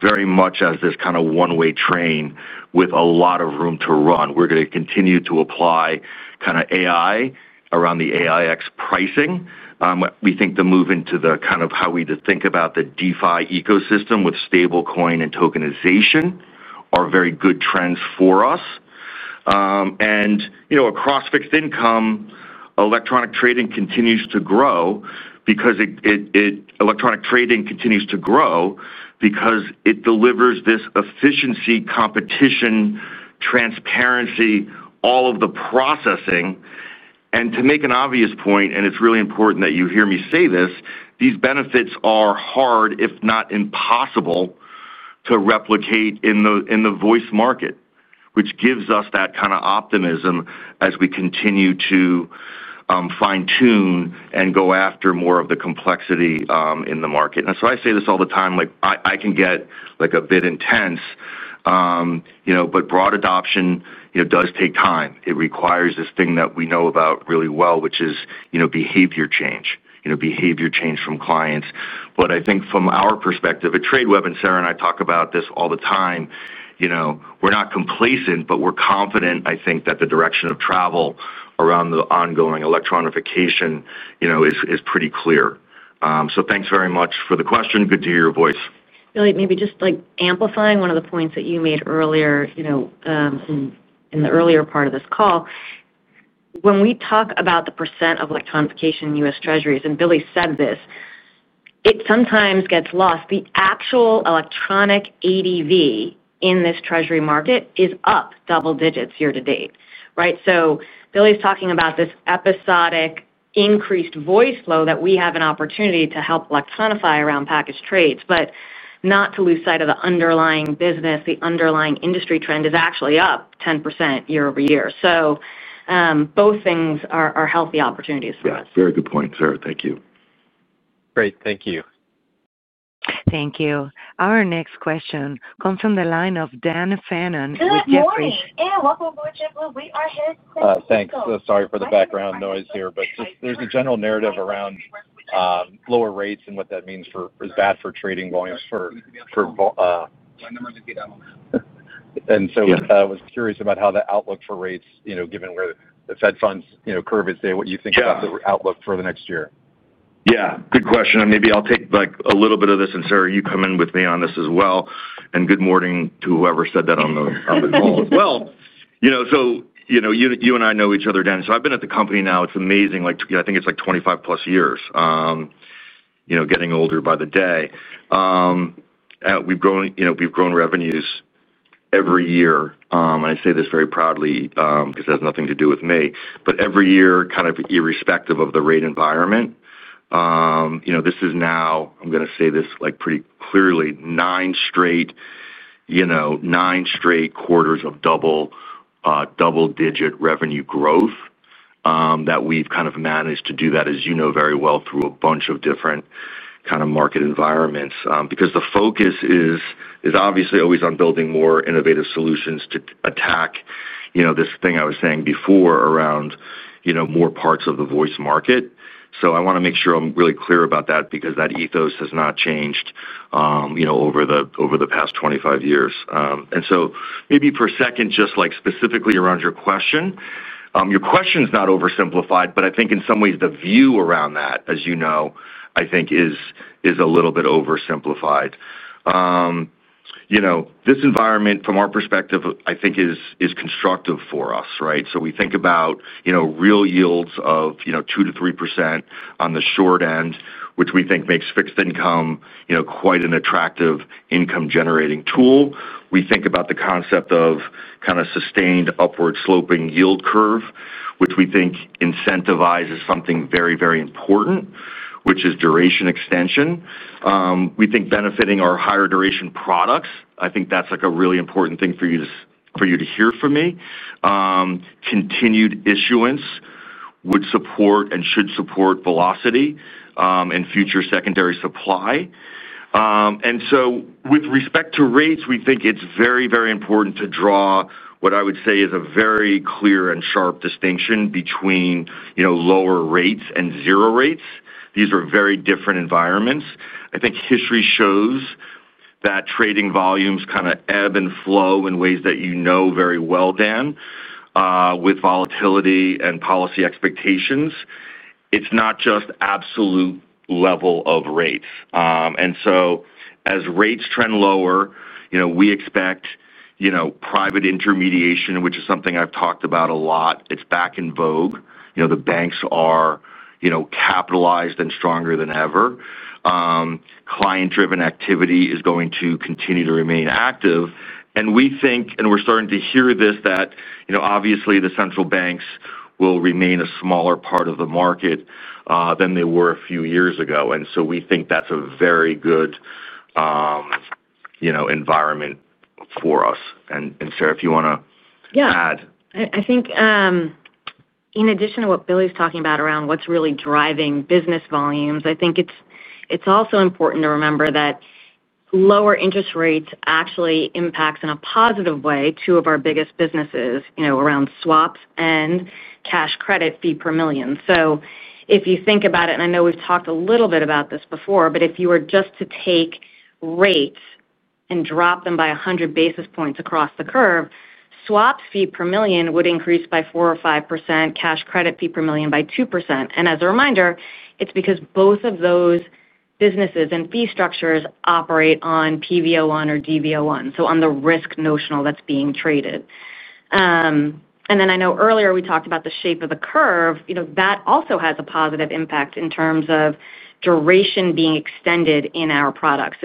very much as this kind of one way train with a lot of room to run. We're going to continue to apply kind of AI around the AI pricing. We think the move into the kind of how we think about the DeFi ecosystem with stablecoin and tokenization are very good trends for us and across fixed income. Electronic trading continues to grow because electronic trading continues to grow because it delivers this efficiency, competition, transparency, all of the processing and to make an obvious point. It's really important that you hear me say this. These benefits are hard, if not impossible, to replicate in the voice market, which gives us that kind of optimism as we continue to fine tune and go after more of the complexity in the market. I say this all the time. I can get a bit intense. Broad adoption does take time. It requires this thing that we know about really well, which is behavior change, behavior change from clients. I think from our perspective at Tradeweb, and Sara and I talk about this all, all the time, you know, we're not complacent, but we're confident. I think that the direction of travel around the ongoing electronification, you know, is pretty clear. Thanks very much for the question. Good to hear your voice, Billy. Maybe just amplifying one of the points that you made earlier. You know, in the earlier part of this call when we talk about the. Percent of electronification in U.S. Treasuries, and Billy said this, it sometimes gets lost. The actual electronic ADV in this treasury market is up double digits year to date. Right. Billy's talking about this episodic increased voice flow that we have an opportunity to help electronify around package trades, but not to lose sight of the underlying business. The underlying industry trend is actually up 10% year-over-year. Both things are healthy opportunities for us. Very good point, Sara. Thank you. Great. Thank you. Thank you. Our next question comes from the line of Dan Fannon with Jefferies. Thanks. Sorry for the background noise here, but there's a general narrative around lower rates and what that means for trading volumes. I was curious about how the outlook for rates, given where the fed funds curve is, what you think about the outlook for the next year. Yeah, good question. I'll take a little bit of this. Sara, you come in with me on this as well. Good morning to whoever said that. On the call as well. You and I know each other, Dan. I've been at the company now. It's amazing. I think it's like 25+ years, getting older by the day. We've grown, we've grown revenues every year. I say this very proudly because it has nothing to do with me. Every year, kind of irrespective of the rate environment, I'm going to say this pretty clearly. Nine straight, nine straight quarters of double digit revenue growth that we've managed to do, as you know very well, through a bunch of different market environments because the focus is obviously always on building more innovative solutions to attack this thing I was saying before around more parts of the voice market. I want to make sure I'm really clear about that because that ethos has not changed over the years. Over the past 25 years. Maybe for a second, just specifically around your question, your question's not oversimplified, but I think in some ways the view around that, as you know, I think is a little bit oversimplified. This environment from our perspective, I think is constructive for us. Right. We think about, you know, real yields of, you know, 2%-3% on the short end, which we think makes fixed income, you know, quite an attractive income generating tool. We think about the concept of kind of sustained upward sloping yield curve, which we think incentivizes something very, very important, which is duration extension, we think, benefiting our higher duration products. I think that's like a really important. Thing for you to hear from me. Continued issuance would support and should support velocity and future secondary supply. With respect to rates, we think it's very, very important to draw what I would say is a very clear and sharp distinction between lower rates and zero rates. These are very different environments. I think history shows that trading volumes kind of ebb and flow in ways that, you know very well, Dan, with volatility and policy expectations. It's not just absolute level of rates. As rates trend lower, we expect private intermediation, which is something I've talked about a lot, is back in vogue. The banks are capitalized and stronger than ever. Client driven activity is going to continue to remain active. We think, and we're starting to hear this, that obviously the central banks will remain a smaller part of the market than they were a few years ago. We think that's a very. Good. Environment for us. Sara, if you want to add. I think in addition to what Billy's talking about, around what's really driving business volumes, I think it's also important to remember that lower interest rates actually impacts in a positive way two of our biggest businesses around swaps and cash credit fee per million. If you think about it, and I know we've talked a little bit about this before, if you were just to take rates and drop them by 100 basis points across the curve, swaps fee per million would increase by 4% or 5%, cash credit fee per million by 2%. As a reminder, it's because both of those businesses and fee structures operate on PV01 or DV01, so on the risk notional that's being traded. I know earlier we talked about the shape of the curve. That also has a positive impact in terms of duration being extended in our products.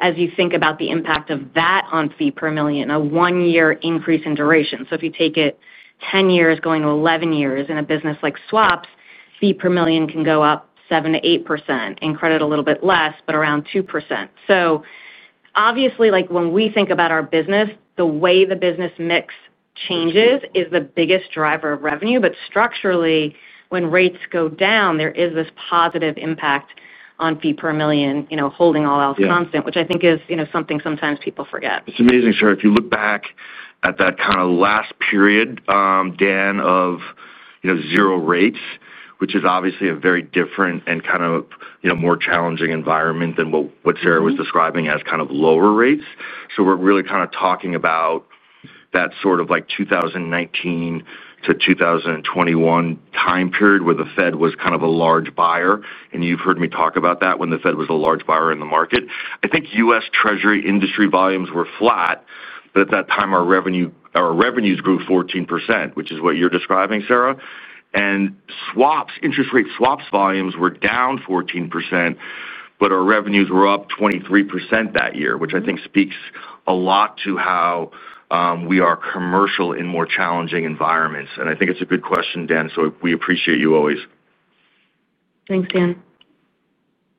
As you think about the impact of that on fee per million, a one year increase in duration, if you take it 10 years, going to 11 years in a business like swaps, fee per million can go up 7%-8%. In credit a little bit less, but around 2%. Obviously, when we think about our business, the way the business mix changes is the biggest driver of revenue. Structurally, when rates go down, there is this positive impact on fee per million holding all else constant, which I think is something sometimes people forget. It's amazing, sir. If you look back at that last period, Dan, of zero rates, which is obviously a very different and more challenging environment than what Sara was describing as kind of lower rates. We're really kind of talking about that sort of like 2019-2021 time period where the Fed was kind of a large buyer. You've heard me talk about that. When the Fed was a large buyer in the market, I think U.S. Treasury industry volumes were flat. At that time our revenue, our. Revenues grew 14%, which is what you're describing, Sara. Swaps, interest rate swaps volumes were down 14%, but our revenues were up 23% that year. I think this speaks a lot to how we are commercial in more challenging environments. I think it's a good question, Dan. We appreciate you always. Thanks, Dan.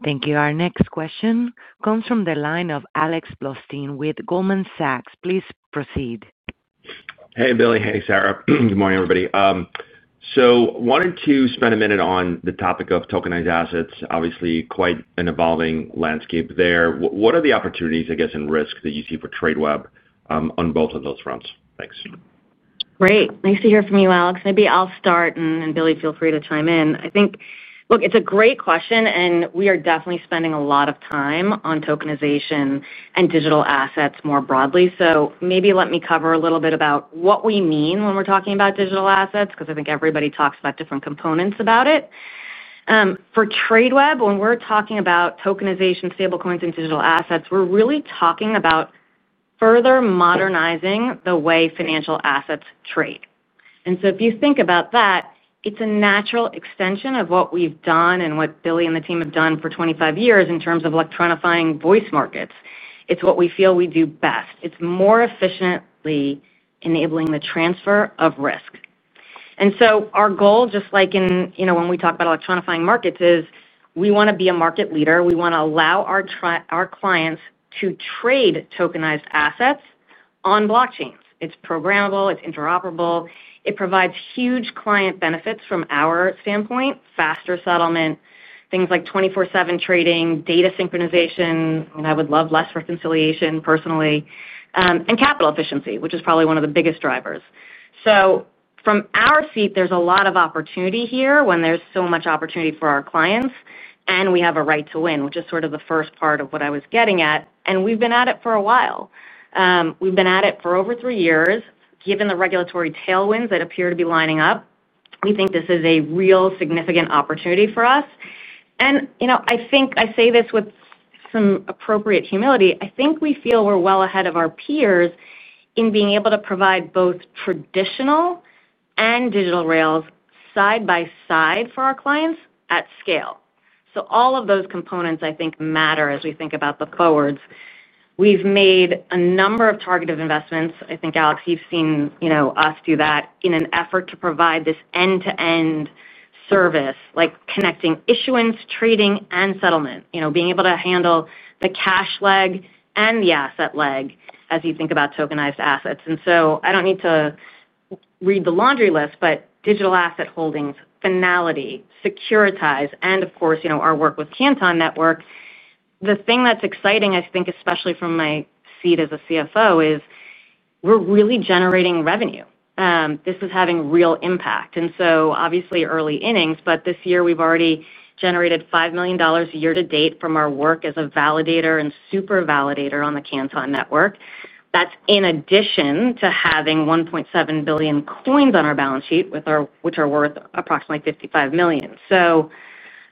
Thank you. Our next question comes from the line of Alex Blostein with Goldman Sachs. Please proceed. Hey, Billy. Hey, Sara. Good morning everybody. I wanted to spend a minute on the topic of tokenized assets. Obviously quite an evolving landscape there. What are the opportunities, I guess, in. Risk that you see for Tradeweb on both of those fronts? Thanks. Great. Nice to hear from you, Alex. Maybe I'll start. Billy, feel free to chime in. I think it's a great question and we are definitely spending a lot of time on tokenization and digital assets more broadly. Maybe let me cover a little bit about what we mean when we're talking about digital assets because I think everybody talks about different components. For Tradeweb, when we're talking about tokenization, stablecoins, and digital assets, we're really talking about further modernizing the way financial assets trade. If you think about that, it's a natural extension of what we've done and what Billy and the team have done for 25 years. In terms of electronifying voice markets, it's what we feel we do best. It's more efficiently enabling the transfer of risk. Our goal, just like when we talk about electronifying markets, is we want to be a market leader. We want to allow our clients to trade tokenized assets on blockchains. It's programmable, it's interoperable, it provides huge client benefits from our standpoint: faster settlement, things like 24/7 trading, data synchronization. I would love less reconciliation personally, and capital efficiency, which is probably one of the biggest drivers. From our seat, there's a lot of opportunity here when there's so much opportunity for our clients and we have a right to win, which is sort of the first part of what I was getting at. We've been at it for a while. We've been at it for over three years. Given the regulatory tailwinds that appear to be lining up, we think this is a real significant opportunity for us. I say this with some appropriate humility. I think we feel we're well ahead of our peers in being able to provide both traditional and digital rails side by side for our clients at scale. All of those components matter as we think about the forwards. We've made a number of targeted investments. I think, Alex, you've seen us do that in an effort to provide this end-to-end service like connecting issuance, trading, and settlement. Being able to handle the cash leg and the asset leg as you think about tokenized assets. I don't need to read the laundry list, but Digital Asset Holdings, Finality, Securitize, and of course, our work with Canton Network. The thing that's exciting, especially from my seat as a CFO, is we're really generating revenue. This is having real impact and so obviously early innings, but this year we've already generated $5 million year to date from our work as a validator and super validator on the Canton Network. That's in addition to having 1.7 billion coins on our balance sheet, which are worth approximately $55 million.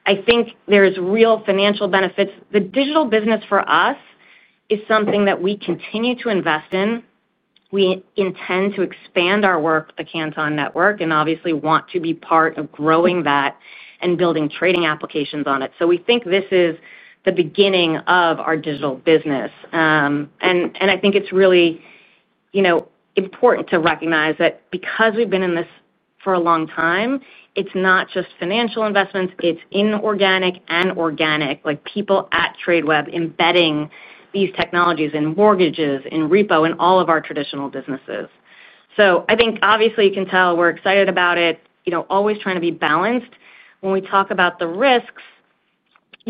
I think there is real financial benefits. The digital business for us is something that we continue to invest in. We intend to expand our work, the Canton Network and obviously want to be part of growing that and building trading applications on it. We think this is the beginning of our digital business. I think it's really important to recognize that because we've been in this for a long time. It's not just financial investments, it's inorganic and organic. People at Tradeweb embedding these technologies in mortgages, in repo, in all of our traditional businesses. I think obviously you can tell we're excited about it, always trying to be balanced. When we talk about the risks,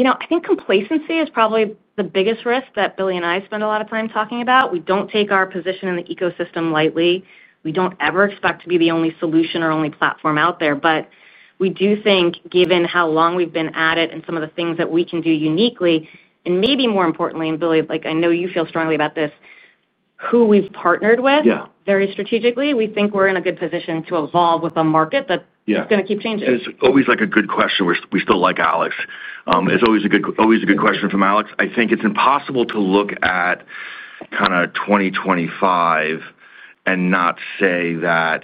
I think complacency is probably the biggest risk that Billy and I spend a lot of time talking about. We don't take our position in the ecosystem lightly. We don't ever expect to be the only solution or only platform out there. We do think, given how long we've been at it and some of the things that we can do uniquely and maybe more importantly, Billy, I know you feel strongly about this, who we've partnered with very strategically, we think we're in a good position to evolve with a market that is going to keep changing. It's always a good question. We still like Alex. It's always a good question from Alex. I think it's impossible to look at 2025 and not say that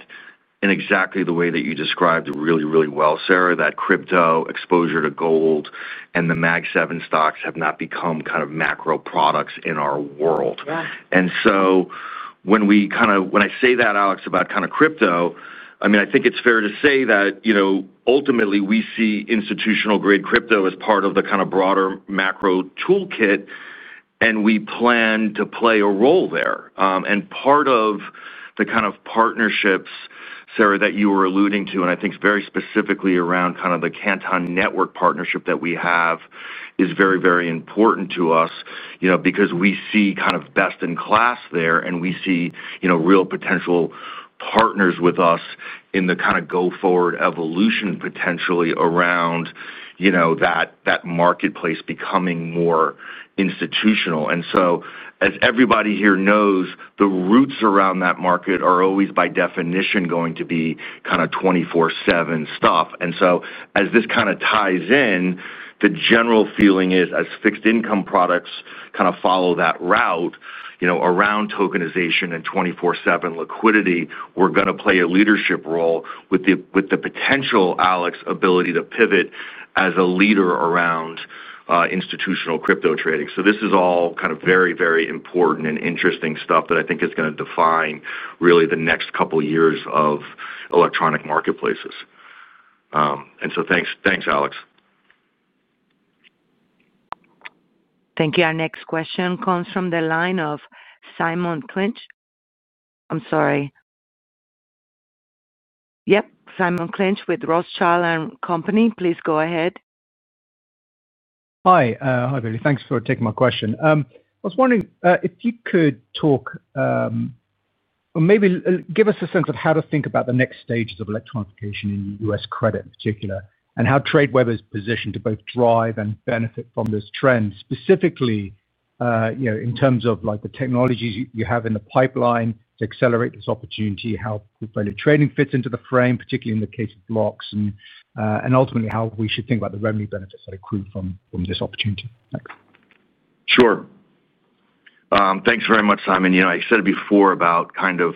in exactly the way that you described. Really, really well, Sara, that crypto exposure to gold and the Mag 7 stocks have not become kind of macro products in our world. When I say that, Alex, about kind of crypto, I mean, I think it's fair to say that ultimately we see institutional grade crypto as part of the kind of broader macro toolkit, and we plan to play a role there. Part of the kind of partnerships, Sara, that you were alluding to, and I think very specifically around kind of the Canton Network partnership that we have, is very, very important to us because we see kind of best in class there and we see real potential partners with us in the kind of go forward evolution potentially around that marketplace becoming more institutional. As everybody here knows, the roots around that market are always by definition going to be kind of 24/7 stuff. As this kind of ties in, the general feeling is as fixed income products kind of follow that route around tokenization and 24/7 liquidity, we're going. To play a leadership role with the. Potential, Alex, ability to pivot as a leader around institutional crypto trading. This is all very, very important and interesting stuff that I think is going to define really the next couple years of electronic marketplaces. Thanks, Alex. Thank you. Our next question comes from the line of Simon Clinch. I'm sorry. Yep. Simon Clinch with Rothschild and Company. Please go ahead. Hi Billy, thanks for taking my question. I was wondering if you could talk or maybe give us a sense of how to think about the next stages of electronification in U.S. Credit in particular. How Tradeweb is positioned to. Both drive and benefit from this trend. Specifically, in terms of the technologies you have in the pipeline to accelerate this opportunity, how portfolio trading fits into the frame, particularly in the case of blocks, and ultimately how we should think about the. Revenue benefits that accrue from this opportunity. Sure. Thanks very much, Simon. I said before about trying to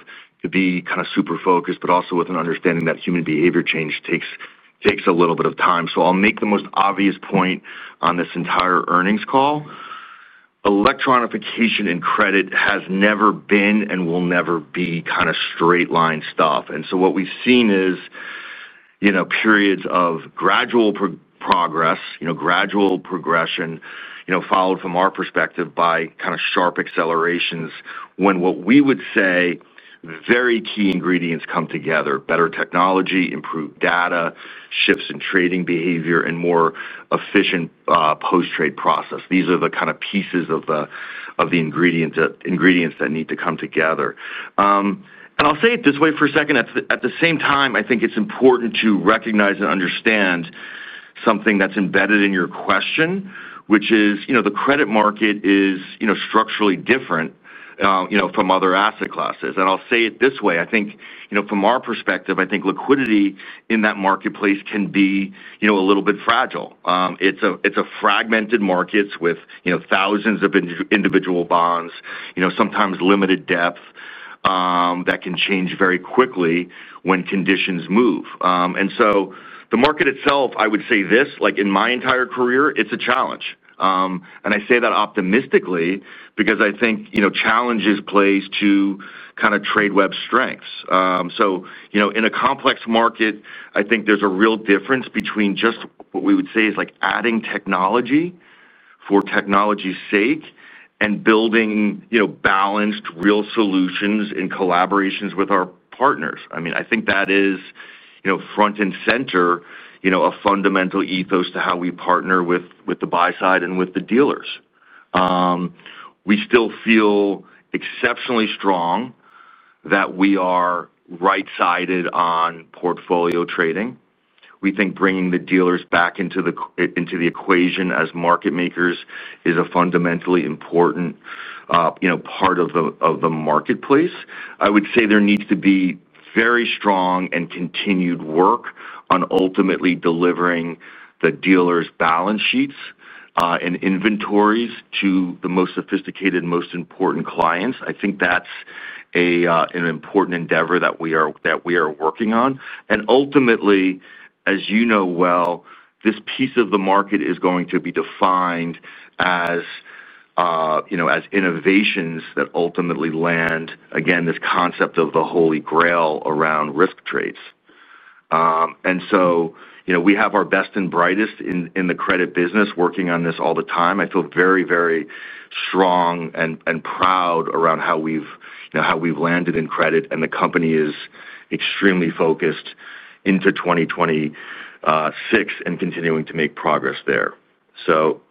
be kind of super focused, but also with an understanding that human. Behavior change takes a little bit of time. I'll make the most obvious point on this entire earnings call. Electronification and credit has never been and will never be kind of straight line stuff. What we've seen is periods of gradual progress, gradual progression, followed from our perspective by kind of sharp accelerations when, what we would say, very key ingredients come together: better technology, improved data, shifts in trading behavior, and more efficient post-trade process. These are the kind of pieces of the ingredients that need to come together. I'll say it this way for a second. At the same time, I think it's important to recognize and understand something that's embedded in your question, which is the credit market is structurally different from other asset classes. I'll say it this way, I think from our perspective, I think liquidity in that marketplace can be a little bit fragile. It's a fragmented market with thousands of individual bonds, sometimes limited debt. That can change very quickly when conditions move. The market itself, I would say this, like in my entire career, it's a challenge. I say that optimistically because I think challenges play to kind of Tradeweb's strengths. In a complex market, I think there's a real difference between just what we would say is like adding technology for technology's sake and building balanced real solutions in collaborations with our partners. Partners. I mean, I think that is front and center a fundamental ethos to how we partner with the buy side and with the dealers. We still feel exceptionally strong that we are right sided on portfolio trading. We think bringing the dealers back into the equation as market makers is a fundamentally important part of the marketplace. I would say there needs to be very strong and continued work on ultimately delivering the dealers' balance sheets and inventories to the most sophisticated, most important clients. I think that's an important endeavor that we are working on. Ultimately, as you know, this piece of the market is going to be defined as innovations that ultimately land again this concept of the holy grail around risk trades. We have our best and brightest in the credit business working on this all the time. I feel very, very strong and proud around how we've landed in credit. The company is extremely focused into 2020 and continuing to make progress there.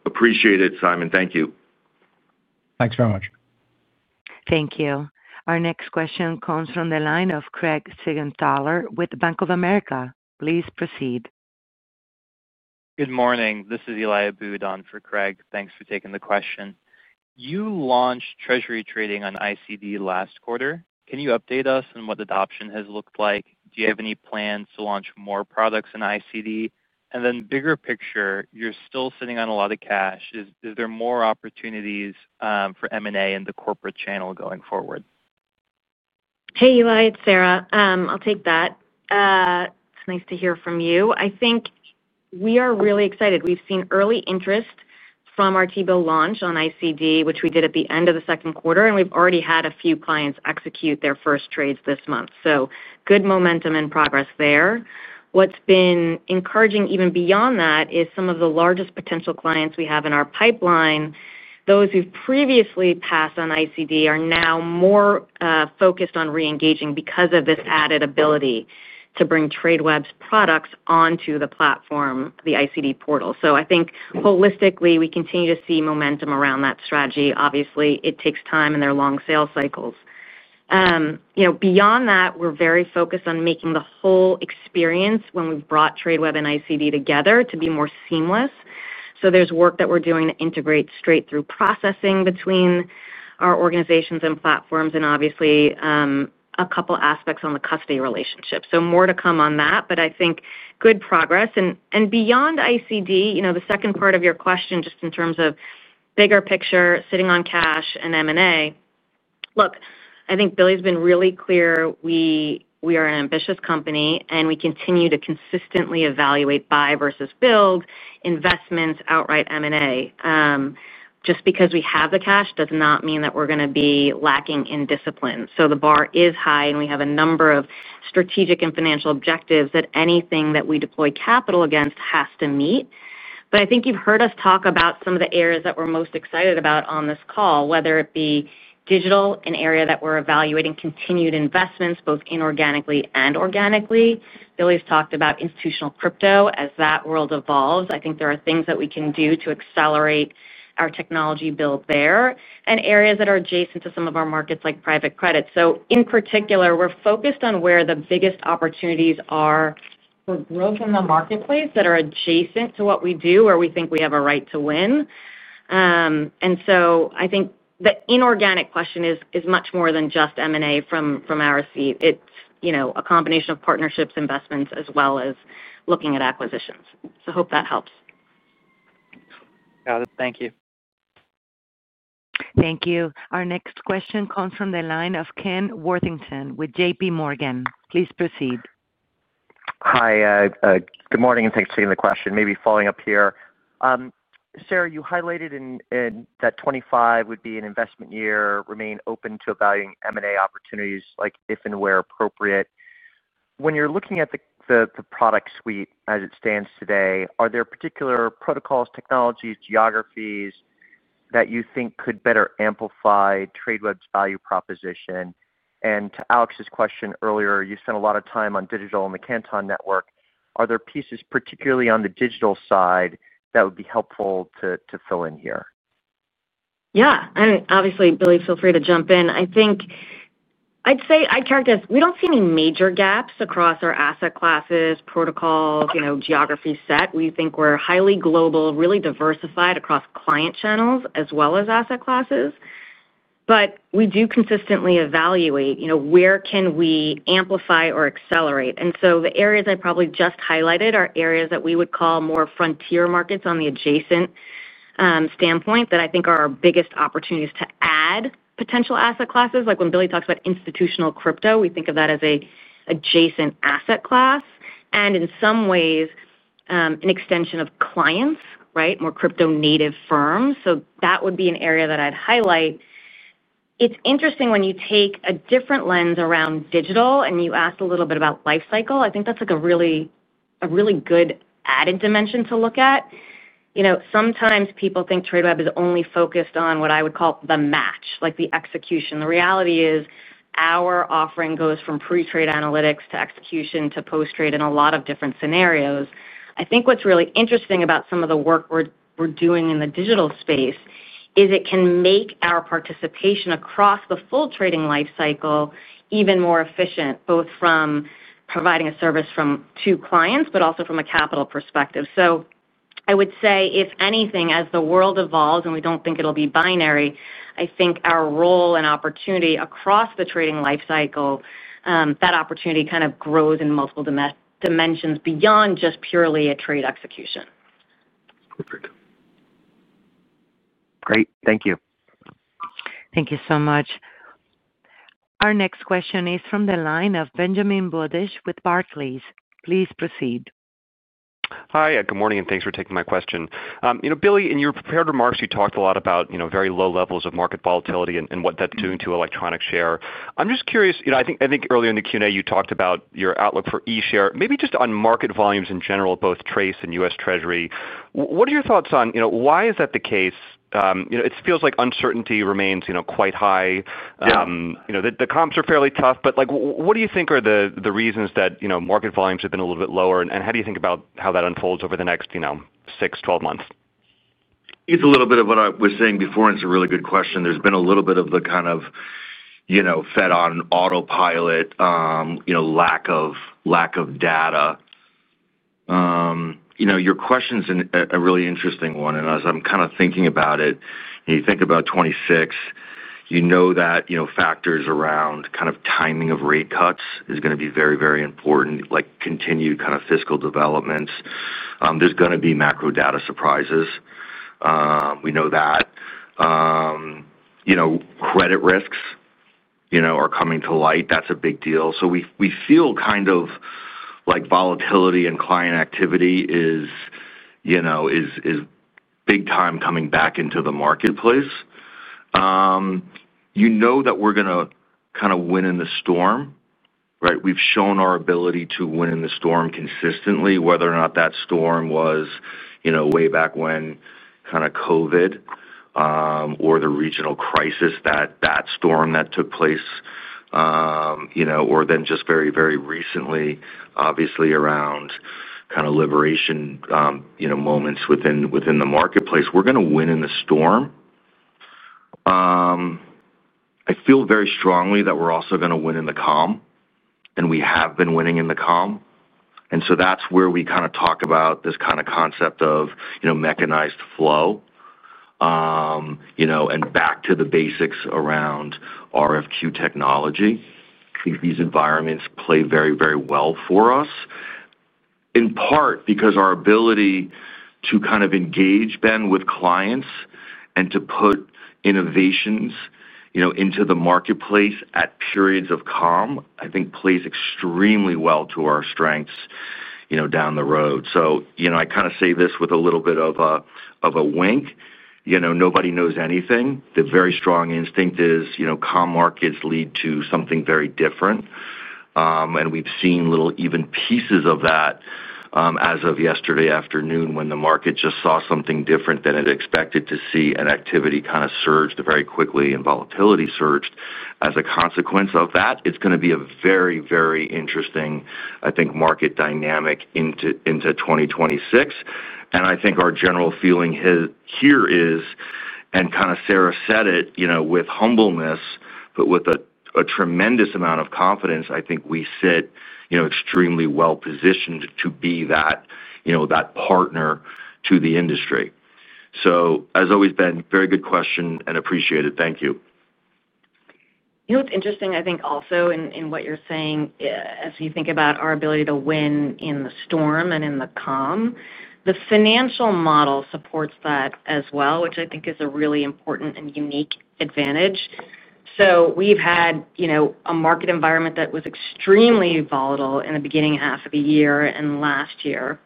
Appreciate it, Simon. Thank you. Thanks very much. Thank you. Our next question comes from the line of Craig Siegenthaler with Bank of America. Please proceed. Good morning, this is Eli Abboud for Craig. Thanks for taking the question. You launched treasury trading on ICD last quarter. Can you update us on what adoption has looked like? Do you have any plans to launch? More products in ICD? Bigger picture, you're still sitting. On a lot of cash. Is there more opportunities for M&A in the corporate channel going forward? Hey, Eli, it's Sara. I'll take that. It's nice to hear from you. I think we are really excited. We've seen early interest from our T-Bill launch on ICD, which we did at the end of the second quarter, and we've already had a few clients execute their first trades this month. Good momentum and progress there. What's been encouraging even beyond that is some of the largest potential clients we have in our pipeline, those who previously passed on ICD, are now more focused on reengaging because of this added ability to bring Tradeweb's products onto the platform, the ICD portal. I think holistically we continue to see momentum around that strategy. Obviously, it takes time and there are long sales cycles. Beyond that, we're very focused on making the whole experience when we've brought Tradeweb and ICD together to be more seamless. There's work that we're doing to integrate straight-through processing between our organizations and platforms and a couple aspects on the custody relationship. More to come on that, but I think good progress and beyond ICD. The second part of your question, just in terms of bigger picture sitting on cash and M&A. Look, I think Billy's been really clear. We are an ambitious company and we continue to consistently evaluate buy versus build investments outright. M&A. Just because we have the cash does not mean that we're going to be lacking in discipline. The bar is high and we have a number of strategic and financial objectives that anything that we deploy capital against has to meet. I think you've heard us talk about some of the areas that we're most excited about on this call, whether it be digital, an area that we're evaluating continued investments both inorganically and organically. Billy's talked about institutional crypto. As that world evolves, I think there are things that we can do to accelerate our technology build there and areas that are adjacent to some of our markets, like private credit. In particular, we're focused on where the biggest opportunities are for growth in the marketplace that are adjacent to what we do, where we think we have a right to win. I think the inorganic question is much more than just M&A from our seat. It's a combination of partnerships, investments, as well as looking at acquisitions. Hope that helps. Got it. Thank you. Thank you. Our next question comes from the line of Ken Worthington with JPMorgan. Please proceed. Hi, good morning, and thanks for taking the question. Maybe following up here, Sara, you highlighted that 2025 would be an investment year. Remain open to evaluating M&A opportunities, like if and where appropriate. When you're looking at the product suite as it stands today, are there particular protocols, technologies, geographies that you think could better amplify Tradeweb's value proposition? To Alex's question earlier, you spent. A lot of time on digital and the Canton Network. Are there pieces, particularly on the digital? Side, that would be helpful to fill in here? Yeah. Obviously, Billy, feel free to jump in. I think I'd say I characterize we don't see any major gaps across our asset classes, protocols, geography set. We think we're highly global, really diversified across client channels as well as asset classes. We do consistently evaluate where can we amplify or accelerate. The areas I probably just highlighted are areas that we would call more frontier markets on the adjacent standpoint that I think are our biggest opportunities to add potential asset classes. Like when Billy talks about institutional crypto, we think of that as an adjacent asset class and in some ways an extension of clients. Right. More crypto native firms. That would be an area that I'd highlight. It's interesting when you take a different lens around digital and you ask a little bit about life cycle. I think that's a really good added dimension to look at. Sometimes people think Tradeweb is only focused on what I would call the match, like the execution. The reality is our offering goes from pre-trade analytics to execution to post-trade in a lot of different scenarios. I think what's really interesting about some of the work we're doing in the digital space is it can make our participation across the full trading life cycle even more efficient, both from providing a service to clients, but also from a capital perspective. I would say if anything, as the world evolves, and we don't think it'll be binary, I think our role and opportunity across the trading life cycle, that opportunity kind of grows in multiple dimensions beyond just purely a trade execution. Great, thank you. Thank you so much. Our next question is from the line of Benjamin Budish with Barclays. Please proceed. Hi, good morning and thanks for taking my question. Billy, in your prepared remarks you talked. A lot about very low levels of market volatility and what that's doing to electronic share. I'm just curious. I think earlier in the Q&A. You talked about your outlook for E Share, maybe just on market volumes in general, both TRACE and U.S. Treasury. What are your thoughts on why that is the case? It feels like uncertainty remains quite high, and the comps are fairly tough. What do you think are the. Reasons that market volumes have been. Little bit lower, and how do you think about how that unfolds over the next 6 to 12 months? It's a little bit of what I was saying before, and it's a really good question. There's been a little bit of the, you know, Fed on autopilot, lack of data. Your question's a really interesting one. As I'm kind of thinking about it, you think about 2026, that factors around timing of rate cuts is going to be very, very important, like continued fiscal developments. There's going to be macro data surprises. We know that credit risks are coming to light. That's a big deal. We feel kind of like volatility and client activity is big time coming back into the marketplace. You know that we're going to kind. Of win in the storm. Right? We've shown our ability to win in the storm consistently. Whether or not that storm was, you know, way back when, kind of COVID or the regional crisis that that storm that took place, you know, or then just very, very recently, obviously around kind of liberation, you know, moments within the marketplace, we're going to win in the storm. I feel very strongly that we're also going to win in the calm. We have been winning in the calm. That's where we kind of talk about this kind of concept of mechanized flow and back to the basics around RFQ technology. I think these environments play very, very well for us, in part because our ability to kind of engage Ben, with clients and to put innovations into the marketplace at periods of calm I think plays extremely well to our strengths, you know, down the road. I kind of say this with a little bit of a wink. Nobody knows anything. The very strong instinct is, you know, calm markets lead to something very different. We've seen little even pieces of that as of yesterday afternoon when the market just saw something different than it expected to see. Activity kind of surged very quickly and volatility surged as a consequence of that. It's going to be a very, very, very interesting, I think, market dynamic into 2026. I think our general feeling here is, and kind of Sara said it, you know, with humbleness, but with a tremendous amount of confidence. I think we sit, you know, extremely well positioned to be that, you know, that partner to the industry. As always, Ben, very good question and appreciate it. Thank you. You know, it's interesting, I think, also in what you're saying, as you think about our ability to win in the storm and in the calm, the financial model supports that as well, which I think is a really important and unique advantage. We've had a market environment that was extremely volatile in the beginning half of the year and last year.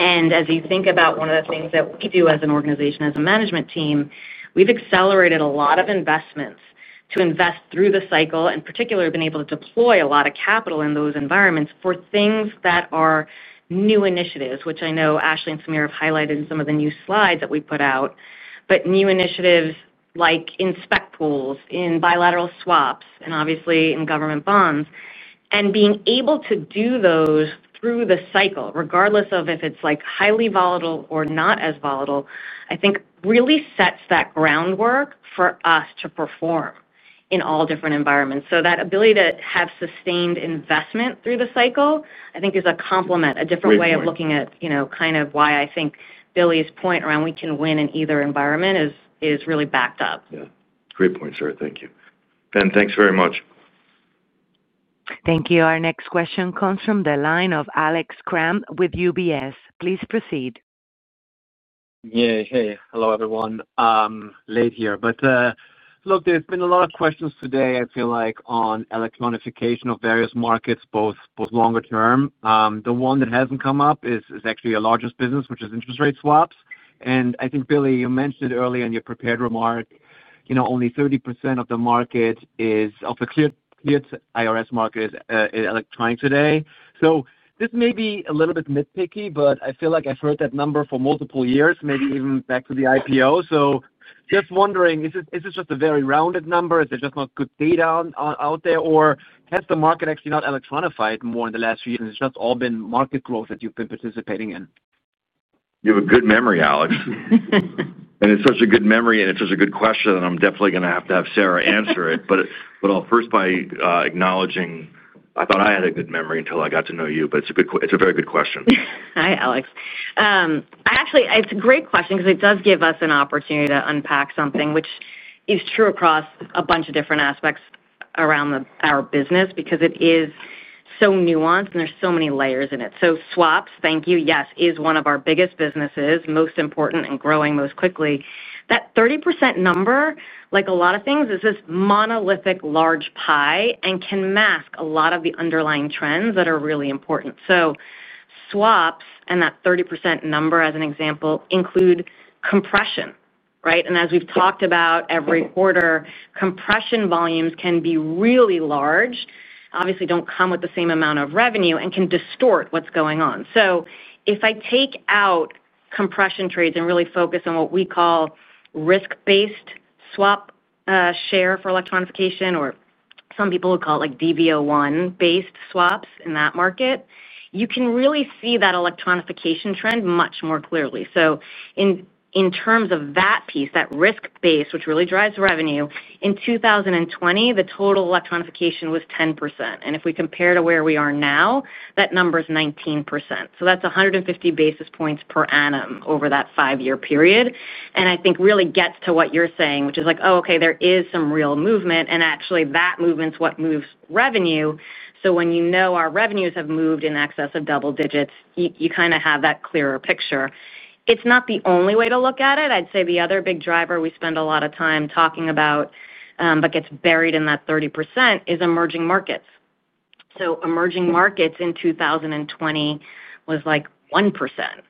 As you think about one of the things that we do as an organization, as a management team, we've accelerated a lot of investments to invest through the cycle. In particular, been able to deploy a lot of capital in those environments for things that are new initiatives, which I know Ashley and Sameer have highlighted in some of the new slides that we put out. New initiatives like in spec pools, in bilateral swaps, and obviously in government bonds, and being able to do those through the cycle regardless of if it's highly volatile or not as volatile, I think really sets that groundwork for us to perform in all different environments. That ability to have sustained investment through the cycle I think is a compliment, a different way of looking at kind of why I think Billy's point around we can win in either environment is really backed up. Great point, sir. Thank you, Ben. Thanks very much. Thank you. Our next question comes from the line of Alex Kramm with UBS. Please proceed. Hello, everyone. Late here, but look, there's been a lot of questions today. I feel like, on electronification of various markets, both longer term. The one that hasn't come up is. Actually, our largest business, which is interest rate swaps. I think, Billy, you mentioned earlier. In your prepared remark, only. 30% of the market, of the cleared IRS market, is electronic today. This may be a little bit nitpicky, but I feel like I've heard that number for multiple years, maybe even back to the IPO. I'm just wondering, is this just a very rounded number? Is there just not good data out there, or has the market actually not electronified more in the last few years? It's just all been market growth that you've been participating in. You have a good memory, Alex. It's such a good memory and it's such a good question. I'm definitely going to have to have Sara answer it. I'll first acknowledge I thought I had a good memory until I got to know you. It's a very good question. Hi Alex. Actually, it's a great question because it does give us an opportunity to unpack something which is true across a bunch of different aspects around our business because it is so nuanced and there's so many layers in it. Swaps. Thank you. Yes. Is one of our biggest businesses, most important and growing most quickly. That 30% number, like a lot of things, is this monolithic large pie and can mask a lot of the underlying trends that are really important. Swaps and that 30% number, as an example, include compression as we've talked about every quarter. Compression volumes can be really large, obviously don't come with the same amount of revenue and can distort what's going on. If I take out compression trades and really focus on what we call risk-based swap share for electronification, or some people would call it like DV01-based swaps, in that market you can really see that electronification trend much more clearly. In terms of that piece, that risk base which really drives revenue, in 2020 the total electronification was 10%. If we compare to where we are now, that number is 19%. That's 150 basis points per annum over that five-year period. I think it really gets to what you're saying, which is like, oh, okay, there is some real movement. Actually, that movement is what moves revenue. When you know our revenues have moved in excess of double digits, you kind of have that clearer picture. It's not the only way to look at it. The other big driver we spend a lot of time talking about but gets buried in that 30% is emerging markets. Emerging markets in 2020 was like 1%.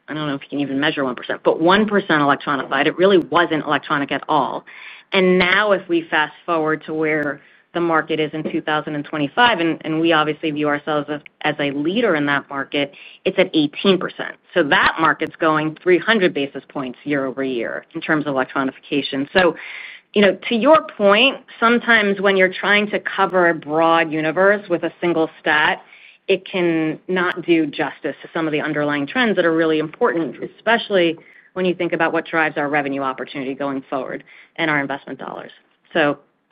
I don't know if you can even measure 1%. 1% electronic, it really wasn't electronic at all. Now if we fast forward to where the market is in 2025 and we obviously view ourselves as a leader in that market, it's at 18%. That market is going 300 basis points year-over-year in terms of electronification. You know, to your point, sometimes when you're trying to cover a broad universe with a single stat, it cannot do justice to some of the underlying trends that are really important, especially when you think about what drives our revenue opportunity going forward and our investment dollars.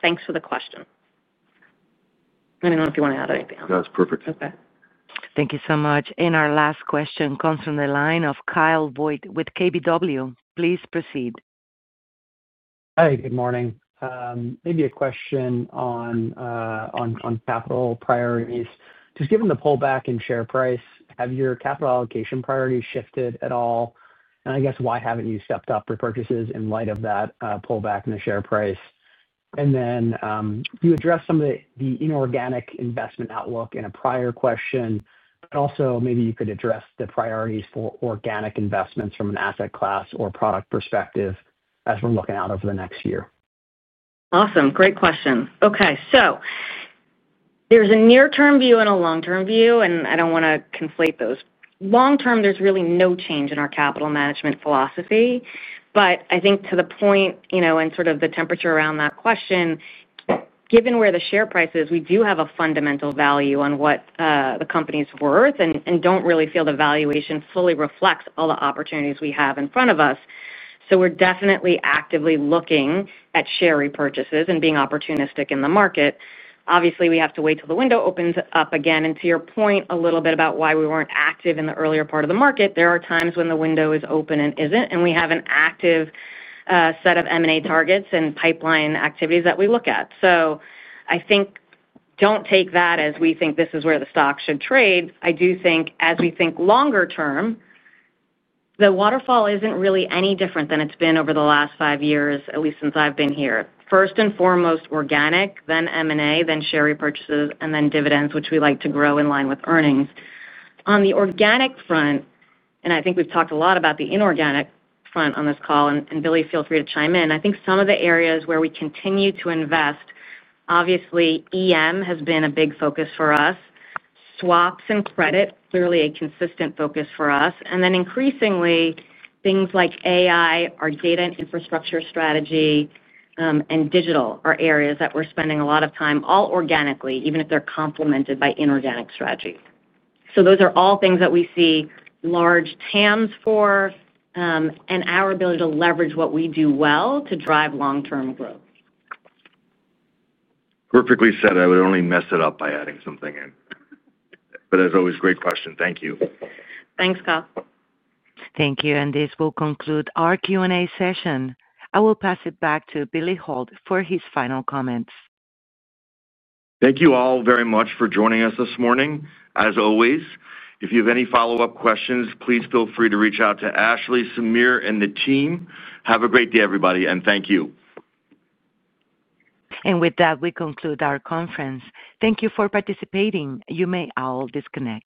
Thanks for the question, anyone, if. You want to add anything, that's perfect. Ok, thank you so much. Our last question comes from the line of Kyle Voigt with KBW. Please proceed. Hi, good morning. Maybe a question on capital priorities. Just given the pullback in share price, have your capital allocation priorities shifted at all? I guess why haven't you stepped up repurchases in light of that pullback in the share price? You addressed some of the inorganic investment outlook in a prior question, but also maybe you could address the priorities for organic investments from an asset class or product perspective as we're looking out over the next year. Awesome. Great question. Okay, so there's a near term view and a long term view and I don't want to conflate those. Long term there's really no change in our capital management philosophy, but I think to the point and sort of the temperature around that question, given where the share price is, we do have a fundamental value on what the company's worth and don't really feel the valuation fully reflects all the opportunities we have in front of us. We are definitely actively looking at share repurchases and being opportunistic in the market. Obviously we have to wait till the window opens up again. To your point a little bit about why we weren't active in the earlier part of the market, there are times when the window is open and isn't and we have an active set of M&A targets and pipeline activities that we look at. I think don't take that as we think this is where the stock should trade. I do think as we think longer term, the waterfall isn't really any different than it's been over the last five years, at least since I've been here. First and foremost organic, then M&A, then share repurchases and then dividends, which we like to grow in line with earnings on the organic front and I think we've talked a lot about the inorganic front on this call and Billy, feel free to chime in. I think some of the areas where we continue to invest, obviously emerging markets has been a big focus for us. Swaps and credit clearly a consistent focus for us. Increasingly things like AI, our data and infrastructure, strategy and digital are areas that we're spending a lot of time all organically, even if they're complemented by inorganic strategies. Those are all things that we see large TAMs for and our ability to leverage what we do well to drive long term growth. Perfectly said. I would only mess it up by adding something in. As always, great question. Thank you. Thanks Kyle. Thank you. This will conclude our Q&A session. I will pass it back to Billy Hult for his final comments. Thank you all very much for joining us this morning. As always, if you have any follow up questions, please feel free to reach out to Ashley, Sameer, and the team. Have a great day, everybody, and thank you. With that, we conclude our conference. Thank you for participating. You may all disconnect.